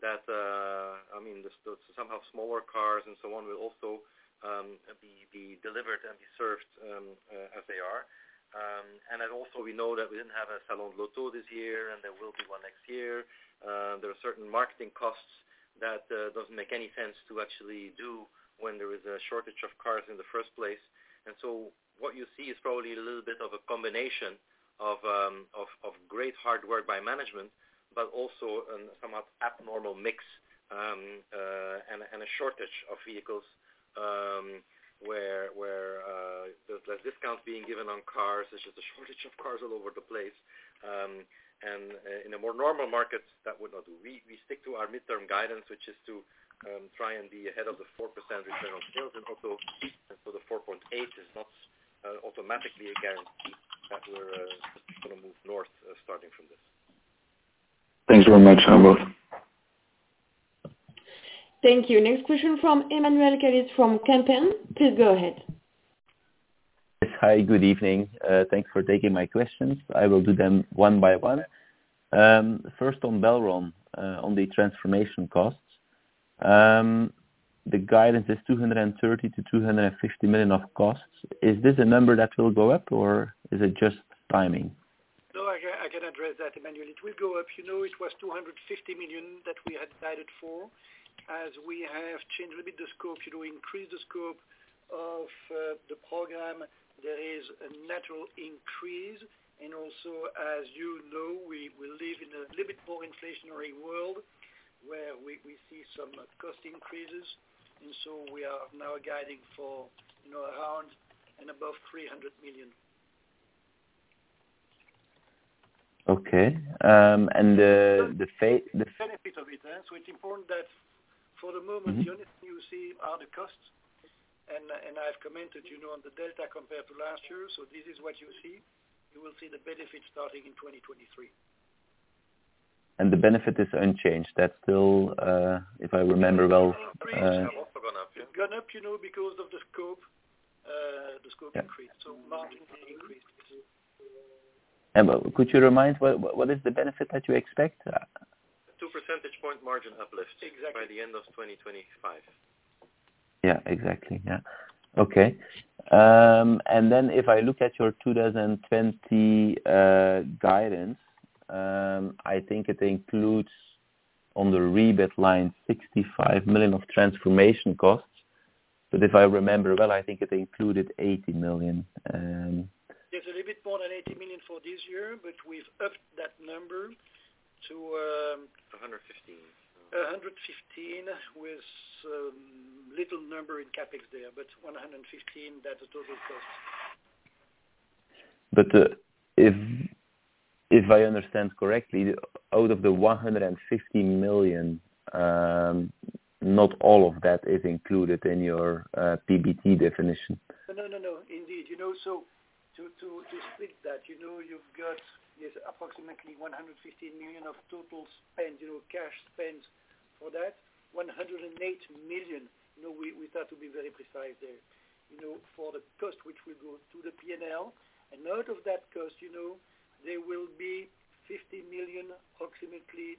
that I mean, somehow smaller cars and so on will also be delivered and be served as they are. We also know that we didn't have a Salon de l'Auto this year, and there will be one next year. There are certain marketing costs that doesn't make any sense to actually do when there is a shortage of cars in the first place. What you see is probably a little bit of a combination of great hard work by management, but also a somewhat abnormal mix, and a shortage of vehicles, where the discounts being given on cars, there's just a shortage of cars all over the place. In a more normal market that would not do. We stick to our midterm guidance, which is to try and be ahead of the 4% return on sales and also keep. The 4.8 is not automatically a guarantee that we're gonna move north starting from this. Thanks very much, Arnaud. Thank you. Next question from Emmanuel Carlier from Kempen. Please go ahead. Yes. Hi, good evening. Thanks for taking my questions. I will do them one by one. First on Belron, on the transformation costs. The guidance is 230 million-250 million of costs. Is this a number that will go up or is it just timing? No, I can address that, Emmanuel. It will go up. You know, it was 250 million that we had guided for. As we have changed a bit the scope, you know, increased the scope of the program, there is a natural increase. Also, as you know, we live in a little bit more inflationary world, where we see some cost increases. We are now guiding for, you know, around and above 300 million. Okay. The benefit of it. It's important that for the moment. Mm-hmm. The only thing you see are the costs. I've commented, you know, on the delta compared to last year. This is what you see. You will see the benefit starting in 2023. The benefit is unchanged. That's still, if I remember well, Gone up, yeah. Gone up, you know, because of the scope increase. Margin increase. Could you remind what is the benefit that you expect? 2 percentage point margin uplift. Exactly. By the end of 2025. Yeah, exactly. Yeah. Okay. If I look at your 2020 guidance, I think it includes on the REBIT line 65 million of transformation costs. If I remember well, I think it included 80 million. It's a little bit more than 80 million for this year, but we've upped that number to, 115. 115 with little number in CapEx there, but 115, that's the total cost. If I understand correctly, out of the 150 million, not all of that is included in your PBT definition. No, no, indeed. You know, so got this approximately 150 million of total spend, you know, cash spend for that. 108 million, you know, we start to be very precise there, you know, for the cost which will go to the P&L. Out of that cost, you know, there will be approximately 50 million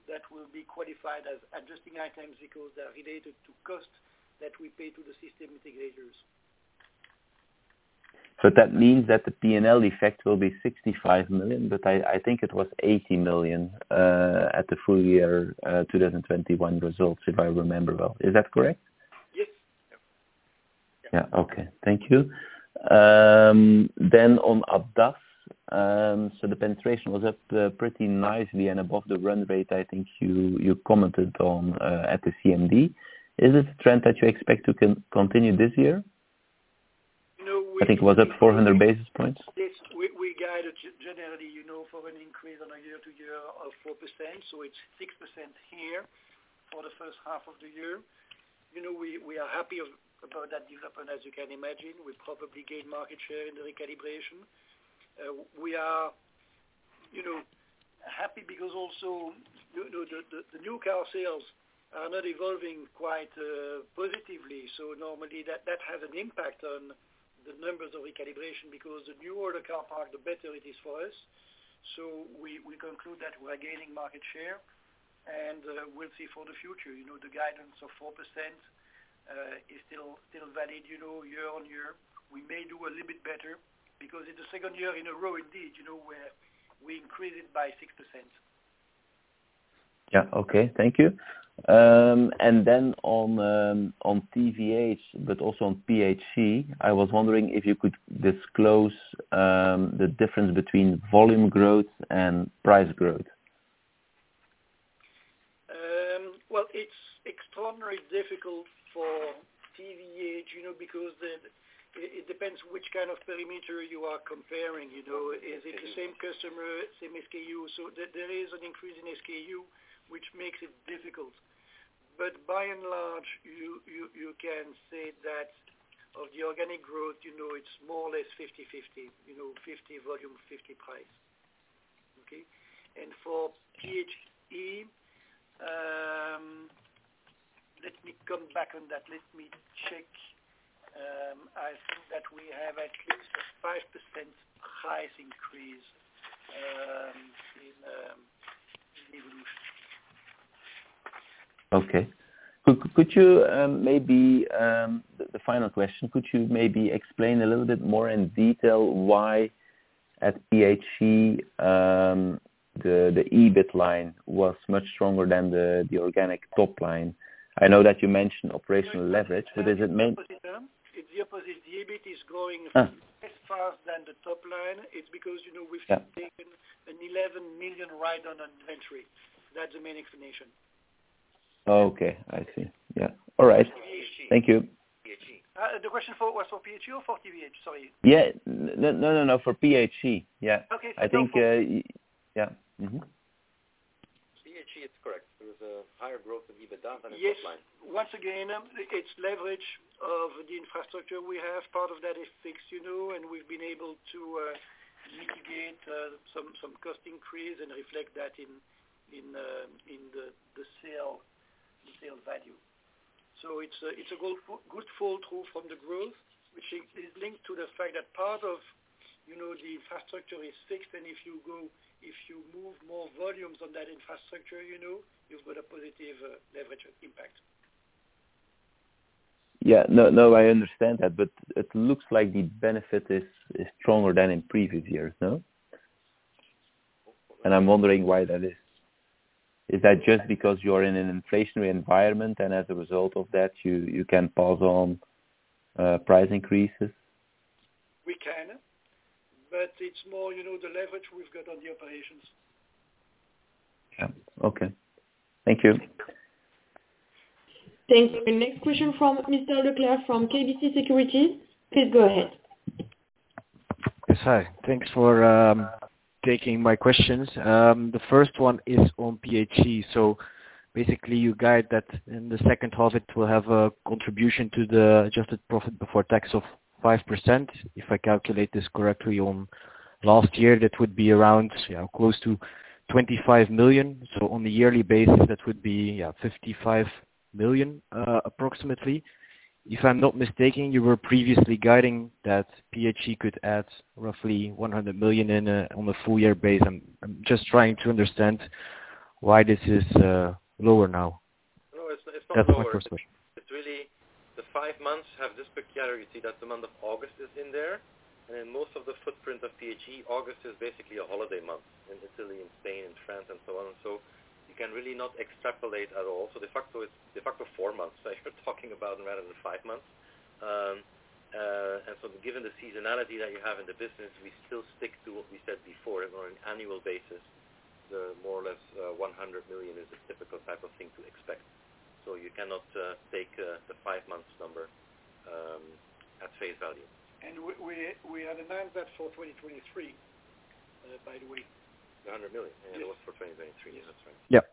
that will be qualified as adjusting items because they are related to costs that we pay to the system integrators. that means that the P&L effect will be 65 million. I think it was 80 million at the full year 2021 results, if I remember well. Is that correct? Yes. Yeah, okay. Thank you. On ADAS. So the penetration was up pretty nicely and above the run rate, I think you commented on at the CMD. Is this a trend that you expect to continue this year? You know, I think it was at 400 basis points. Yes. We guided generally, you know, for an increase on a year-on-year of 4%, so it's 6% here for the H1 of the year. You know, we are happy about that development. As you can imagine, we've probably gained market share in the recalibration. We are, you know, happy because also the new car sales are not evolving quite positively. Normally that has an impact on the numbers of recalibration because the newer the car park, the better it is for us. We conclude that we're gaining market share and we'll see for the future. You know, the guidance of 4% is still valid, you know, year-on-year. We may do a little bit better because it's the second year in a row indeed, you know, where we increase it by 6%. Yeah. Okay. Thank you. On TVH, but also on PHE, I was wondering if you could disclose the difference between volume growth and price growth. Well, it's extraordinarily difficult for TVH, you know, because it depends which kind of parameter you are comparing, you know. Is it the same customer, same SKU? There is an increase in SKU which makes it difficult. By and large, you can say that of the organic growth, you know, it's more or less 50/50. You know, 50 volume, 50 price. Okay? For PHE, let me come back on that. Let me check. I think that we have at least a 5% price increase, in. Okay. The final question, could you maybe explain a little bit more in detail why at PHE the EBIT line was much stronger than the organic top line? I know that you mentioned operational leverage, but does it mean- It's the opposite. The EBIT is growing- Ah. less fast than the top line. It's because, you know, we've- Yeah. Taken an 11 million write-down on inventory. That's the main explanation. Okay. I see. Yeah. All right. PHE. Thank you. PHE. The question was for PHE or for TVH? Sorry. Yeah. No, no, for PHE. Yeah. Okay. I think, yeah. Mm-hmm. PHE, it's correct. There was a higher growth in EBITDA than in top line. Yes. Once again, it's leverage of the infrastructure we have. Part of that is fixed, you know, and we've been able to mitigate some cost increase and reflect that in the sale value. It's a good fall through from the growth, which is linked to the fact that part of, you know, the infrastructure is fixed. If you move more volumes on that infrastructure, you know, you've got a positive leverage impact. Yeah. No, no, I understand that, but it looks like the benefit is stronger than in previous years, no? I'm wondering why that is. Is that just because you're in an inflationary environment and as a result of that, you can pass on price increases? We can, but it's more, you know, the leverage we've got on the operations. Yeah. Okay. Thank you. Thank you. Next question from Michiel Declercq from KBC Securities. Please go ahead. Yes. Hi. Thanks for taking my questions. The first one is on PHE. Basically you guide that in the H2 it will have a contribution to the adjusted profit before tax of 5%. If I calculate this correctly on last year, that would be around close to 25 million. On a yearly basis that would be 55 million approximately. If I'm not mistaken, you were previously guiding that PHE could add roughly 100 million on a full year basis. I'm just trying to understand why this is lower now. No, it's not lower. That's my first question. It's really the five months have this peculiarity that the month of August is in there. In most of the footprint of PHE, August is basically a holiday month in Italy and Spain and France and so on. You can really not extrapolate at all. De facto four months I should be talking about rather than five months. Given the seasonality that you have in the business, we still stick to what we said before. On an annual basis, the more or less 100 million is a typical type of thing to expect. You cannot take the five months number at face value. We announced that for 2023, by the way. The 100 million? Yes. It was for 2023. Yes, that's right.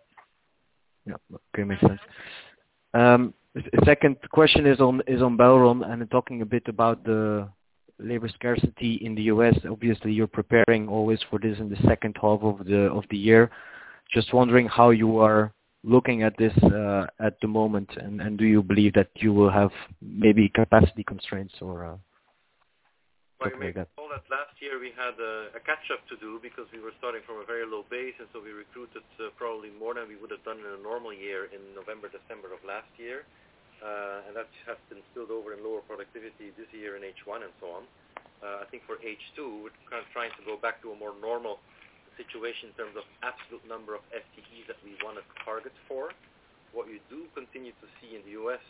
Yeah. Okay, makes sense. The second question is on Belron and talking a bit about the labor scarcity in the U.S. Obviously, you're preparing always for this in the H2 of the year. Just wondering how you are looking at this at the moment, and do you believe that you will have maybe capacity constraints or. Well, last year we had a catch-up to do because we were starting from a very low base, and so we recruited probably more than we would have done in a normal year in November, December of last year. That has been spilled over in lower productivity this year in H1 and so on. I think for H2, we're kind of trying to go back to a more normal situation in terms of absolute number of FTEs that we wanna target for. What we do continue to see in the U.S.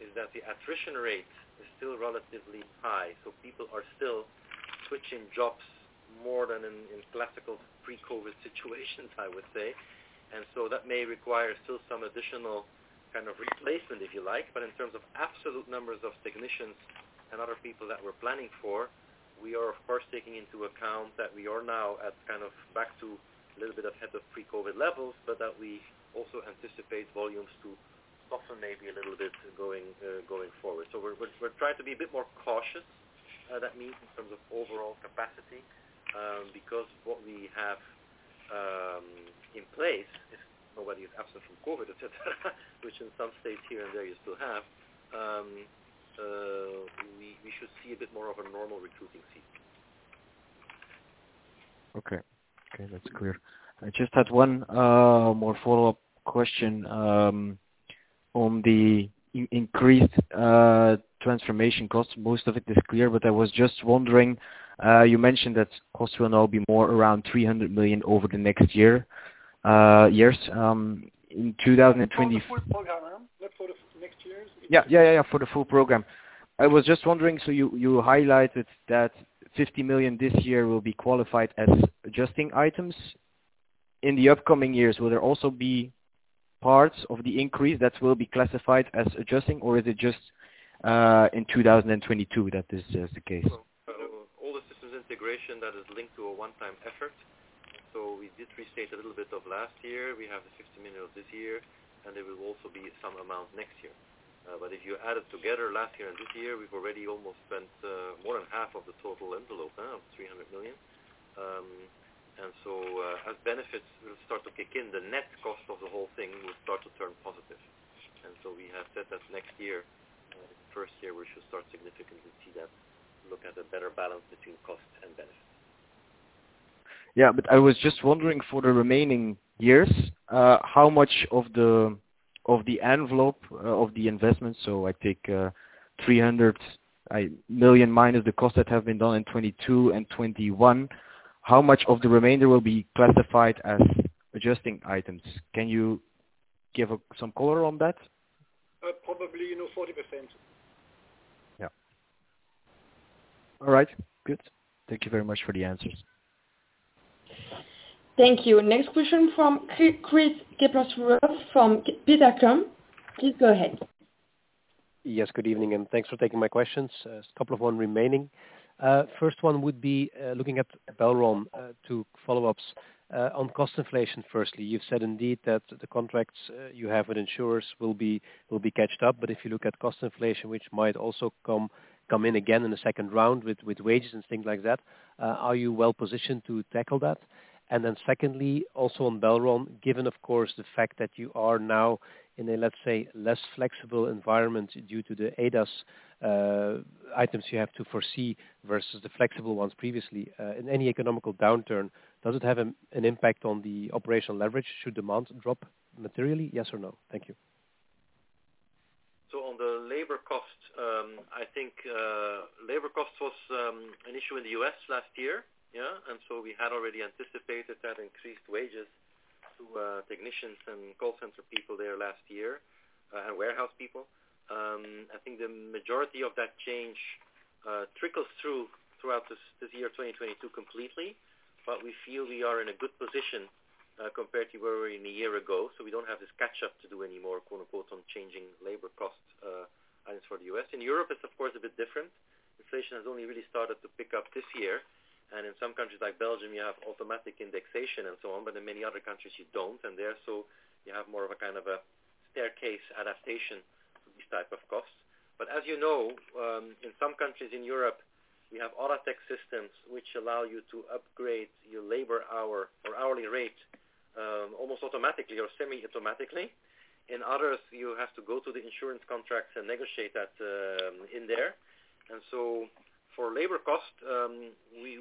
is that the attrition rate is still relatively high, so people are still switching jobs more than in classical pre-COVID situations, I would say. That may require still some additional kind of replacement, if you like. In terms of absolute numbers of technicians and other people that we're planning for, we are of course taking into account that we are now at kind of back to a little bit ahead of pre-COVID levels, but that we also anticipate volumes to soften maybe a little bit going forward. We're trying to be a bit more cautious, that means in terms of overall capacity, because what we have in place is nobody is absent from COVID, which in some states here and there you still have. We should see a bit more of a normal recruiting scene. Okay, that's clear. I just had one more follow-up question on the increased transformation costs. Most of it is clear, but I was just wondering, you mentioned that costs will now be more around 300 million over the next years in 2020- For the full program, huh? Not for the next years. Yeah, for the full program. I was just wondering, so you highlighted that 50 million this year will be qualified as adjusting items. In the upcoming years, will there also be parts of the increase that will be classified as adjusting, or is it just in 2022 that is just the case? All the systems integration that is linked to a one-time effort. We did restate a little bit of last year. We have the 60 million of this year, and there will also be some amount next year. But if you add it together last year and this year, we've already almost spent more than half of the total envelope of 300 million. As benefits will start to kick in, the net cost of the whole thing will start to turn positive. We have said that next year, the first year, we should start significantly to see that look at a better balance between cost and benefit. I was just wondering for the remaining years, how much of the envelope of the investment, so I take 300 million minus the costs that have been done in 2022 and 2021. How much of the remainder will be classified as adjusting items? Can you give some color on that? Probably, you know, 40%. Yeah. All right, good. Thank you very much for the answers. Thank you. Next question from Kris Kippers from Banque Degroof Petercam. Kris, go ahead. Yes, good evening, and thanks for taking my questions. A couple of one remaining. First one would be, looking at Belron, two follow-ups. On cost inflation firstly. You've said indeed that the contracts you have with insurers will be caught up. If you look at cost inflation, which might also come in again in the second round with wages and things like that, are you well-positioned to tackle that? Secondly, also on Belron, given of course the fact that you are now in a, let's say, less flexible environment due to the ADAS items you have to foresee versus the flexible ones previously, in any economic downturn, does it have an impact on the operational leverage? Should demand drop materially? Yes or no? Thank you. the labor cost, I think labor cost was an issue in the U.S. last year, yeah. We had already anticipated that increased wages to technicians and call center people there last year, and warehouse people. I think the majority of that change trickles throughout this year, 2022 completely. We feel we are in a good position compared to where we were a year ago, so we don't have this catch up to do any more, quote-unquote, on changing labor costs items for the U.S. In Europe, it's of course a bit different. Inflation has only really started to pick up this year, and in some countries like Belgium, you have automatic indexation and so on, but in many other countries you don't, and there, so you have more of a kind of a staircase adaptation to these type of costs. As you know, in some countries in Europe, you have Audatex systems which allow you to upgrade your labor hour or hourly rate, almost automatically or semi-automatically. In others, you have to go to the insurance contracts and negotiate that, in there. For labor cost, we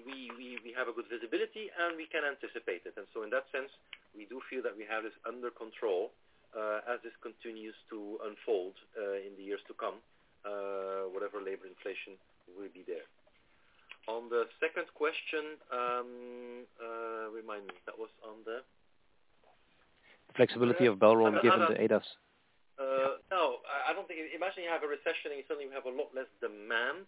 have a good visibility, and we can anticipate it. In that sense, we do feel that we have this under control, as this continues to unfold, in the years to come, whatever labor inflation will be there. On the second question, remind me. That was on the. Flexibility of Belron given the ADAS. No, I don't think. Imagine you have a recession and you suddenly have a lot less demand,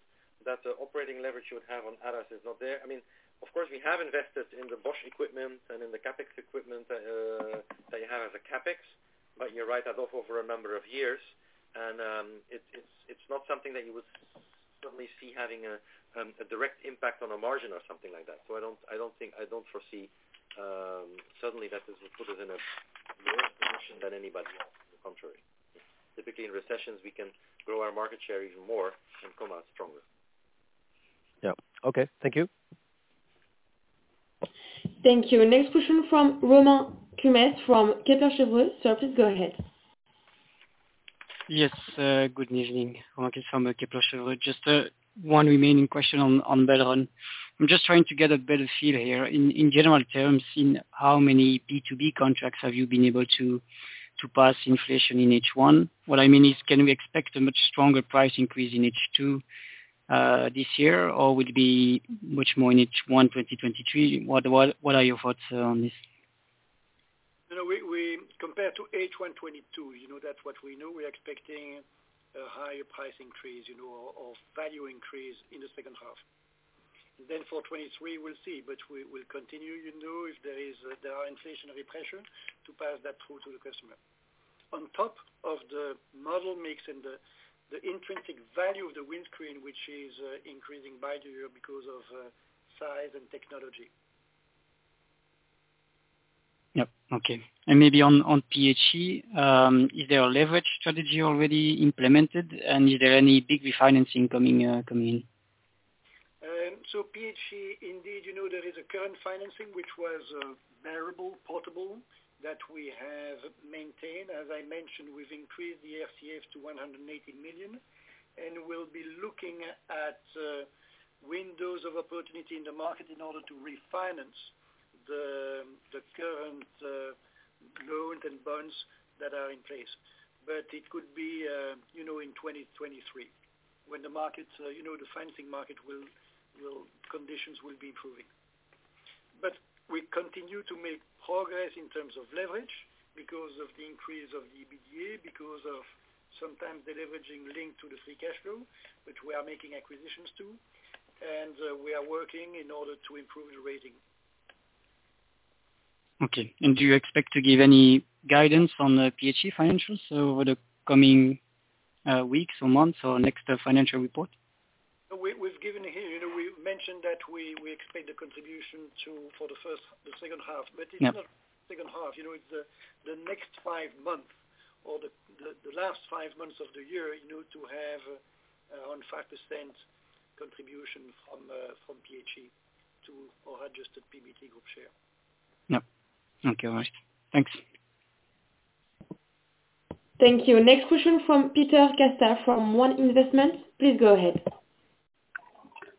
that operating leverage you would have on ADAS is not there. I mean, of course, we have invested in the Bosch equipment and in the CapEx equipment that you have as a CapEx, but you write that off over a number of years. It's not something that you would Certainly see having a direct impact on our margin or something like that. I don't foresee certainly that this will put us in a worse position than anybody else, on the contrary. Typically, in recessions, we can grow our market share even more and come out stronger. Yeah. Okay. Thank you. Thank you. Next question from Alexander Craeymeersch from Kepler Cheuvreux. Sir, please go ahead. Yes, good evening. Alexander Craeymeersch from Kepler Cheuvreux. Just one remaining question on Belron. I'm just trying to get a better feel here. In general terms, in how many B2B contracts have you been able to pass inflation in H1? What I mean is, can we expect a much stronger price increase in H2 this year, or will it be much more in H1 2023? What are your thoughts on this? No, compared to H1 2022, you know, that's what we know, we're expecting a higher price increase, you know, or value increase in the H2. For 2023, we'll see. We'll continue, you know, if there are inflationary pressure to pass that through to the customer. On top of the model mix and the intrinsic value of the windshield, which is increasing by the year because of size and technology. Yep. Okay. Maybe on PHE, is there a leverage strategy already implemented? Is there any big refinancing coming in? PHE, indeed, you know, there is a current financing, which was variable, portable that we have maintained. As I mentioned, we've increased the FCF to 180 million, and we'll be looking at windows of opportunity in the market in order to refinance the current loans and bonds that are in place. It could be, you know, in 2023 when the markets, you know, the financing market conditions will be improving. We continue to make progress in terms of leverage because of the increase of the EBITDA, because of sometimes the leveraging linked to the free cash flow, which we are making acquisitions to. We are working in order to improve the rating. Okay. Do you expect to give any guidance on the PHE financials over the coming weeks or months or next financial report? We've given here. You know, we've mentioned that we expect the contribution to the H2. Yeah. It's not H2, you know, it's the next five months or the last five months of the year, you know, to have around 5% contribution from PHE to or adjusted PBT group share. Yep. Okay. All right. Thanks. Thank you. Next question from Peter Vandekerckhove from One Investment. Please go ahead.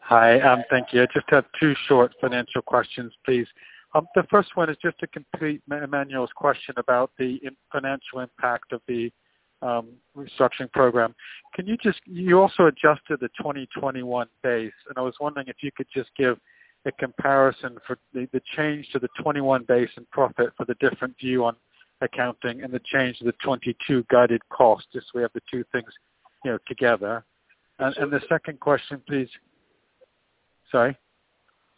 Hi. Thank you. I just have two short financial questions, please. The first one is just to complete Emmanuel's question about the financial impact of the restructuring program. You also adjusted the 2021 base, and I was wondering if you could just give a comparison for the change to the 2021 base and profit for the different view on accounting and the change to the 2022 guidance cost, just so we have the two things, you know, together. The second question, please. Sorry.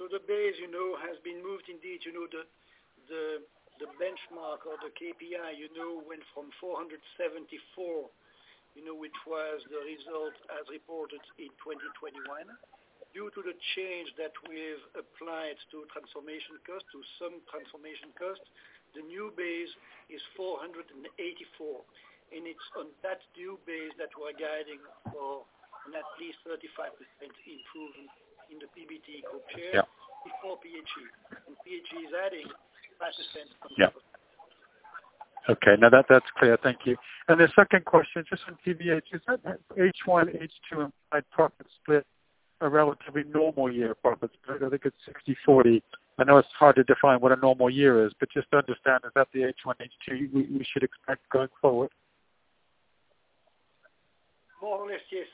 The base, you know, has been moved indeed. You know, the benchmark or the KPI, you know, went from 474, you know, which was the result as reported in 2021. Due to the change that we've applied to some transformation cost, the new base is 484, and it's on that new base that we're guiding for at least 35% improvement in the PBT group share. Yeah. Before PHE. PHE is adding 5% on top of that. Yeah. Okay. No, that's clear. Thank you. The second question, just on TVH. Is that H1, H2 implied profit split a relatively normal year profit split? I think it's 60/40. I know it's hard to define what a normal year is, but just to understand, is that the H1, H2 we should expect going forward? Well, yes.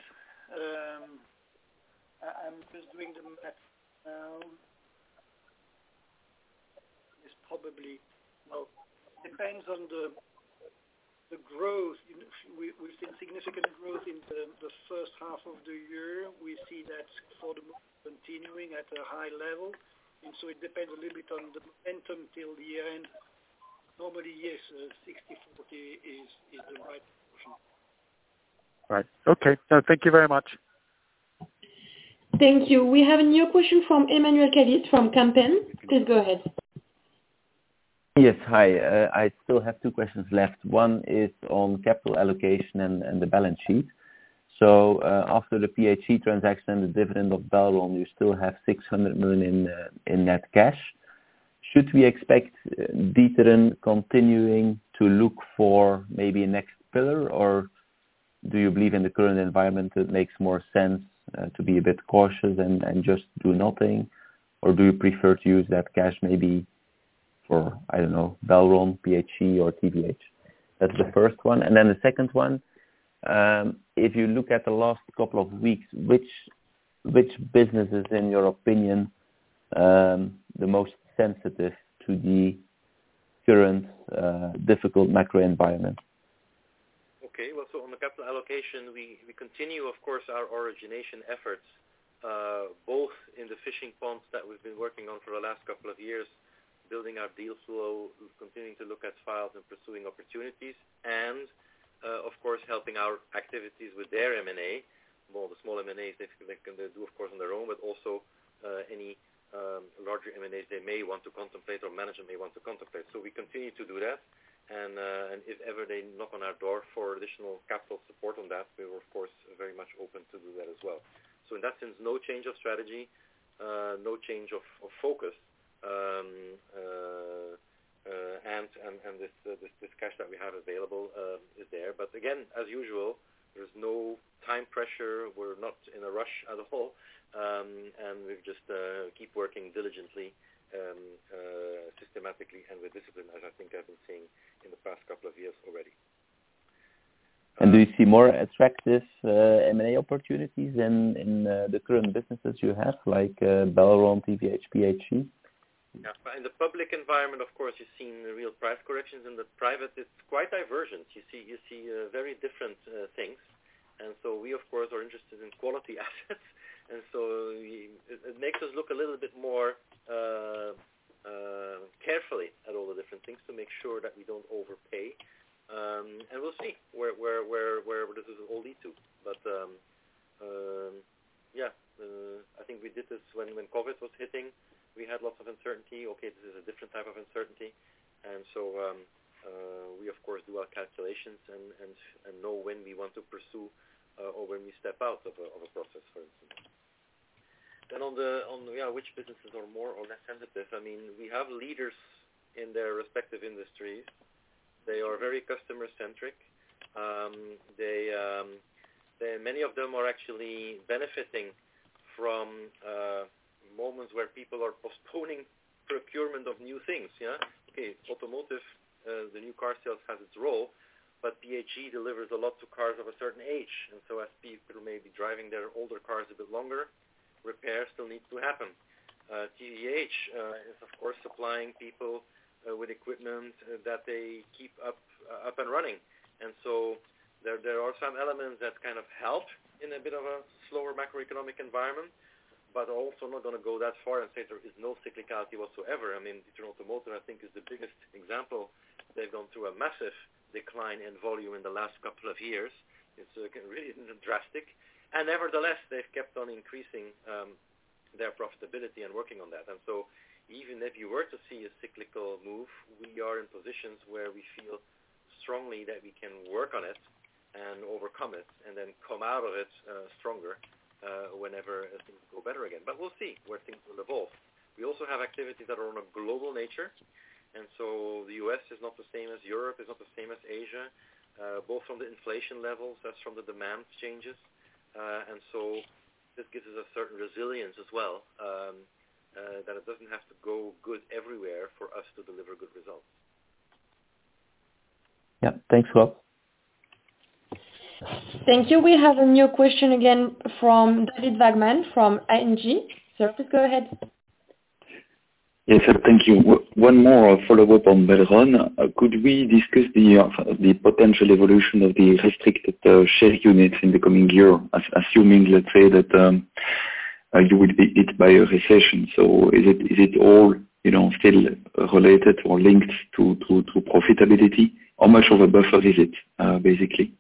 I'm just doing the math now. It's probably. Well, depends on the growth. We've seen significant growth in the H1 of the year. We see that sort of continuing at a high level. It depends a little bit on the momentum till the end. Normally, yes, 60/40 is the right proportion. Right. Okay. No, thank you very much. Thank you. We have a new question from Emmanuel Carlier from Kempen. Please go ahead. Yes. Hi. I still have two questions left. One is on capital allocation and the balance sheet. After the PHE transaction, the dividend of Belron, you still have 600 million in net cash. Should we expect D'Ieteren continuing to look for maybe a next pillar? Or do you believe in the current environment, it makes more sense to be a bit cautious and just do nothing? Or do you prefer to use that cash maybe for, I don't know, Belron, PHE or TVH? That's the first one. Then the second one, if you look at the last couple of weeks, which business is, in your opinion, the most sensitive to the current difficult macro environment? Well, on the capital allocation, we continue, of course, our origination efforts both in the fishing ponds that we've been working on for the last couple of years, building our deal flow. We're continuing to look at files and pursuing opportunities and, of course, helping our activities with their M&A. Well, the small M&As, they can do, of course, on their own, but also any larger M&As they may want to contemplate or management may want to contemplate. We continue to do that and if ever they knock on our door for additional capital support on that, we're of course very much open to do that as well. In that sense, no change of strategy, no change of focus. This cash that we have available is there. Again, as usual, there's no time pressure. We're not in a rush at all, and we just keep working diligently, systematically and with discipline, as I think you have been seeing in the past couple of years already. Do you see more attractive M&A opportunities in the current businesses you have, like Belron, TVH, PHE? Yeah. In the public environment, of course, you're seeing the real price corrections. In the private, it's quite divergent. You see very different things. We, of course, are interested in quality assets. It makes us look a little bit more carefully at all the different things to make sure that we don't overpay. We'll see where this will all lead to. Yeah. I think we did this when COVID was hitting. We had lots of uncertainty. Okay, this is a different type of uncertainty. We of course do our calculations and know when we want to pursue or when we step out of a process, for instance. Which businesses are more or less sensitive. I mean, we have leaders in their respective industries. They are very customer-centric. Many of them are actually benefiting from moments where people are postponing procurement of new things, yeah. Okay, automotive, the new car sales has its role, but PHE delivers a lot to cars of a certain age. As people may be driving their older cars a bit longer, repairs still need to happen. TVH is of course supplying people with equipment that they keep up and running. There are some elements that kind of help in a bit of a slower macroeconomic environment. Also not gonna go that far and say there is no cyclicality whatsoever. I mean, if you're in automotive, I think is the biggest example. They've gone through a massive decline in volume in the last couple of years. It's really drastic. Nevertheless, they've kept on increasing, their profitability and working on that. Even if you were to see a cyclical move, we are in positions where we feel strongly that we can work on it and overcome it and then come out of it, stronger, whenever things go better again. We'll see where things will evolve. We also have activities that are on a global nature, and so the U.S. is not the same as Europe, is not the same as Asia, both from the inflation levels, just from the demand changes. This gives us a certain resilience as well, that it doesn't have to go good everywhere for us to deliver good results. Yeah. Thanks. Thank you. We have a new question again from David Vagman from ING. Sir, please go ahead. Yes, thank you. One more follow-up on Belron. Could we discuss the potential evolution of the restricted share units in the coming year, assuming, let's say that you will be hit by a recession. Is it all, you know, still related or linked to profitability? How much of a buffer is it, basically?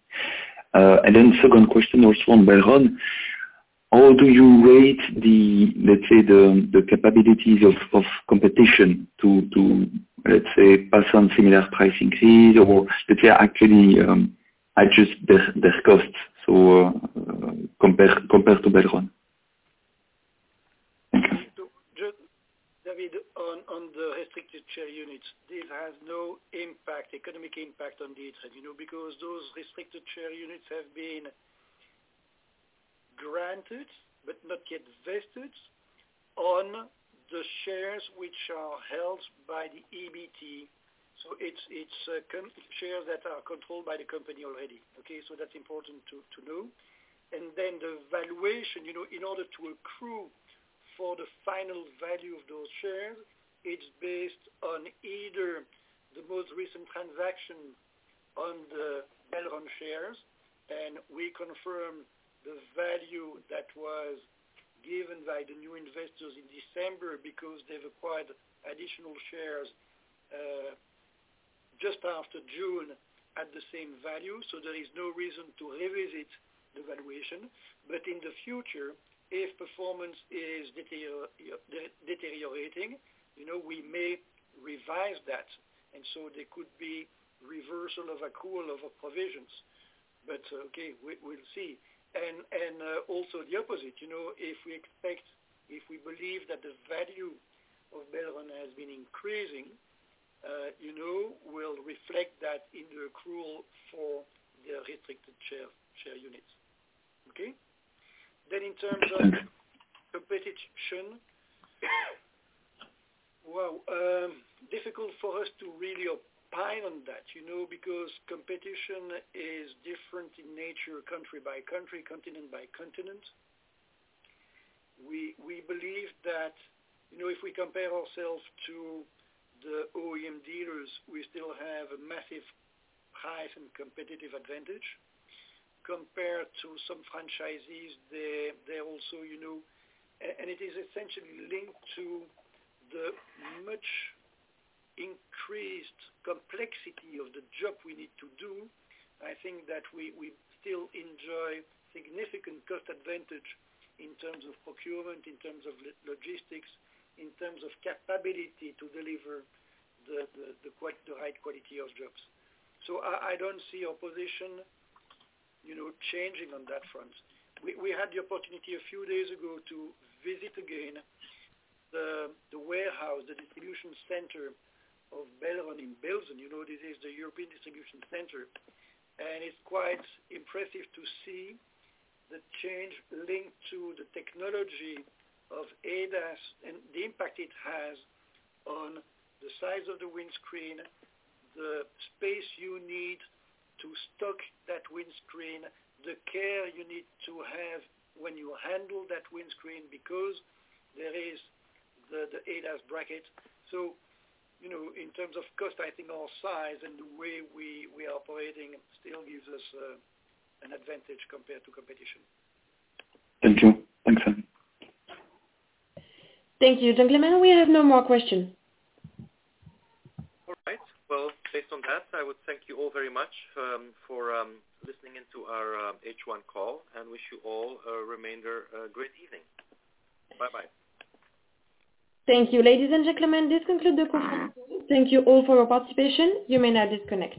Second question also on Belron. How do you rate the, let's say, the capabilities of competition to, let's say, pass on similar price increase or if they are actually adjust their costs, compared to Belron? David, on the restricted share units, this has no impact, economic impact on D'Ieteren, you know, because those restricted share units have been granted but not yet vested on the shares which are held by the EBT. It's shares that are controlled by the company already, okay? That's important to know. Then the valuation, you know, in order to accrue for the final value of those shares, it's based on either the most recent transaction on the Belron shares. We confirm the value that was given by the new investors in December because they've acquired additional shares just after June at the same value, so there is no reason to revisit the valuation. In the future, if performance is deteriorating, you know, we may revise that. There could be reversal of accrual of provisions. Okay, we'll see. Also the opposite, you know. If we believe that the value of Belron has been increasing, you know, we'll reflect that in the accrual for the restricted share units. Okay. In terms of competition, well, difficult for us to really opine on that, you know. Because competition is different in nature country by country, continent by continent. We believe that, you know, if we compare ourselves to the OEM dealers, we still have a massive price and competitive advantage. Compared to some franchisees, they also, you know. And it is essentially linked to the much increased complexity of the job we need to do. I think that we still enjoy significant cost advantage in terms of procurement, in terms of logistics, in terms of capability to deliver the high quality of jobs. So I don't see our position, you know, changing on that front. We had the opportunity a few days ago to visit again the warehouse, the distribution center of Belron in Belgium. You know, this is the European distribution center. It's quite impressive to see the change linked to the technology of ADAS and the impact it has on the size of the windscreen, the space you need to stock that windscreen, the care you need to have when you handle that windscreen because there is the ADAS bracket. You know, in terms of cost, I think our size and the way we are operating still gives us an advantage compared to competition. Thank you. Thanks. Thank you, gentlemen. We have no more questions. All right. Well, based on that, I would thank you all very much for listening into our H1 call, and wish you all the remainder of a great evening. Bye-bye. Thank you. Ladies and gentlemen, this concludes the conference call. Thank you all for your participation. You may now disconnect.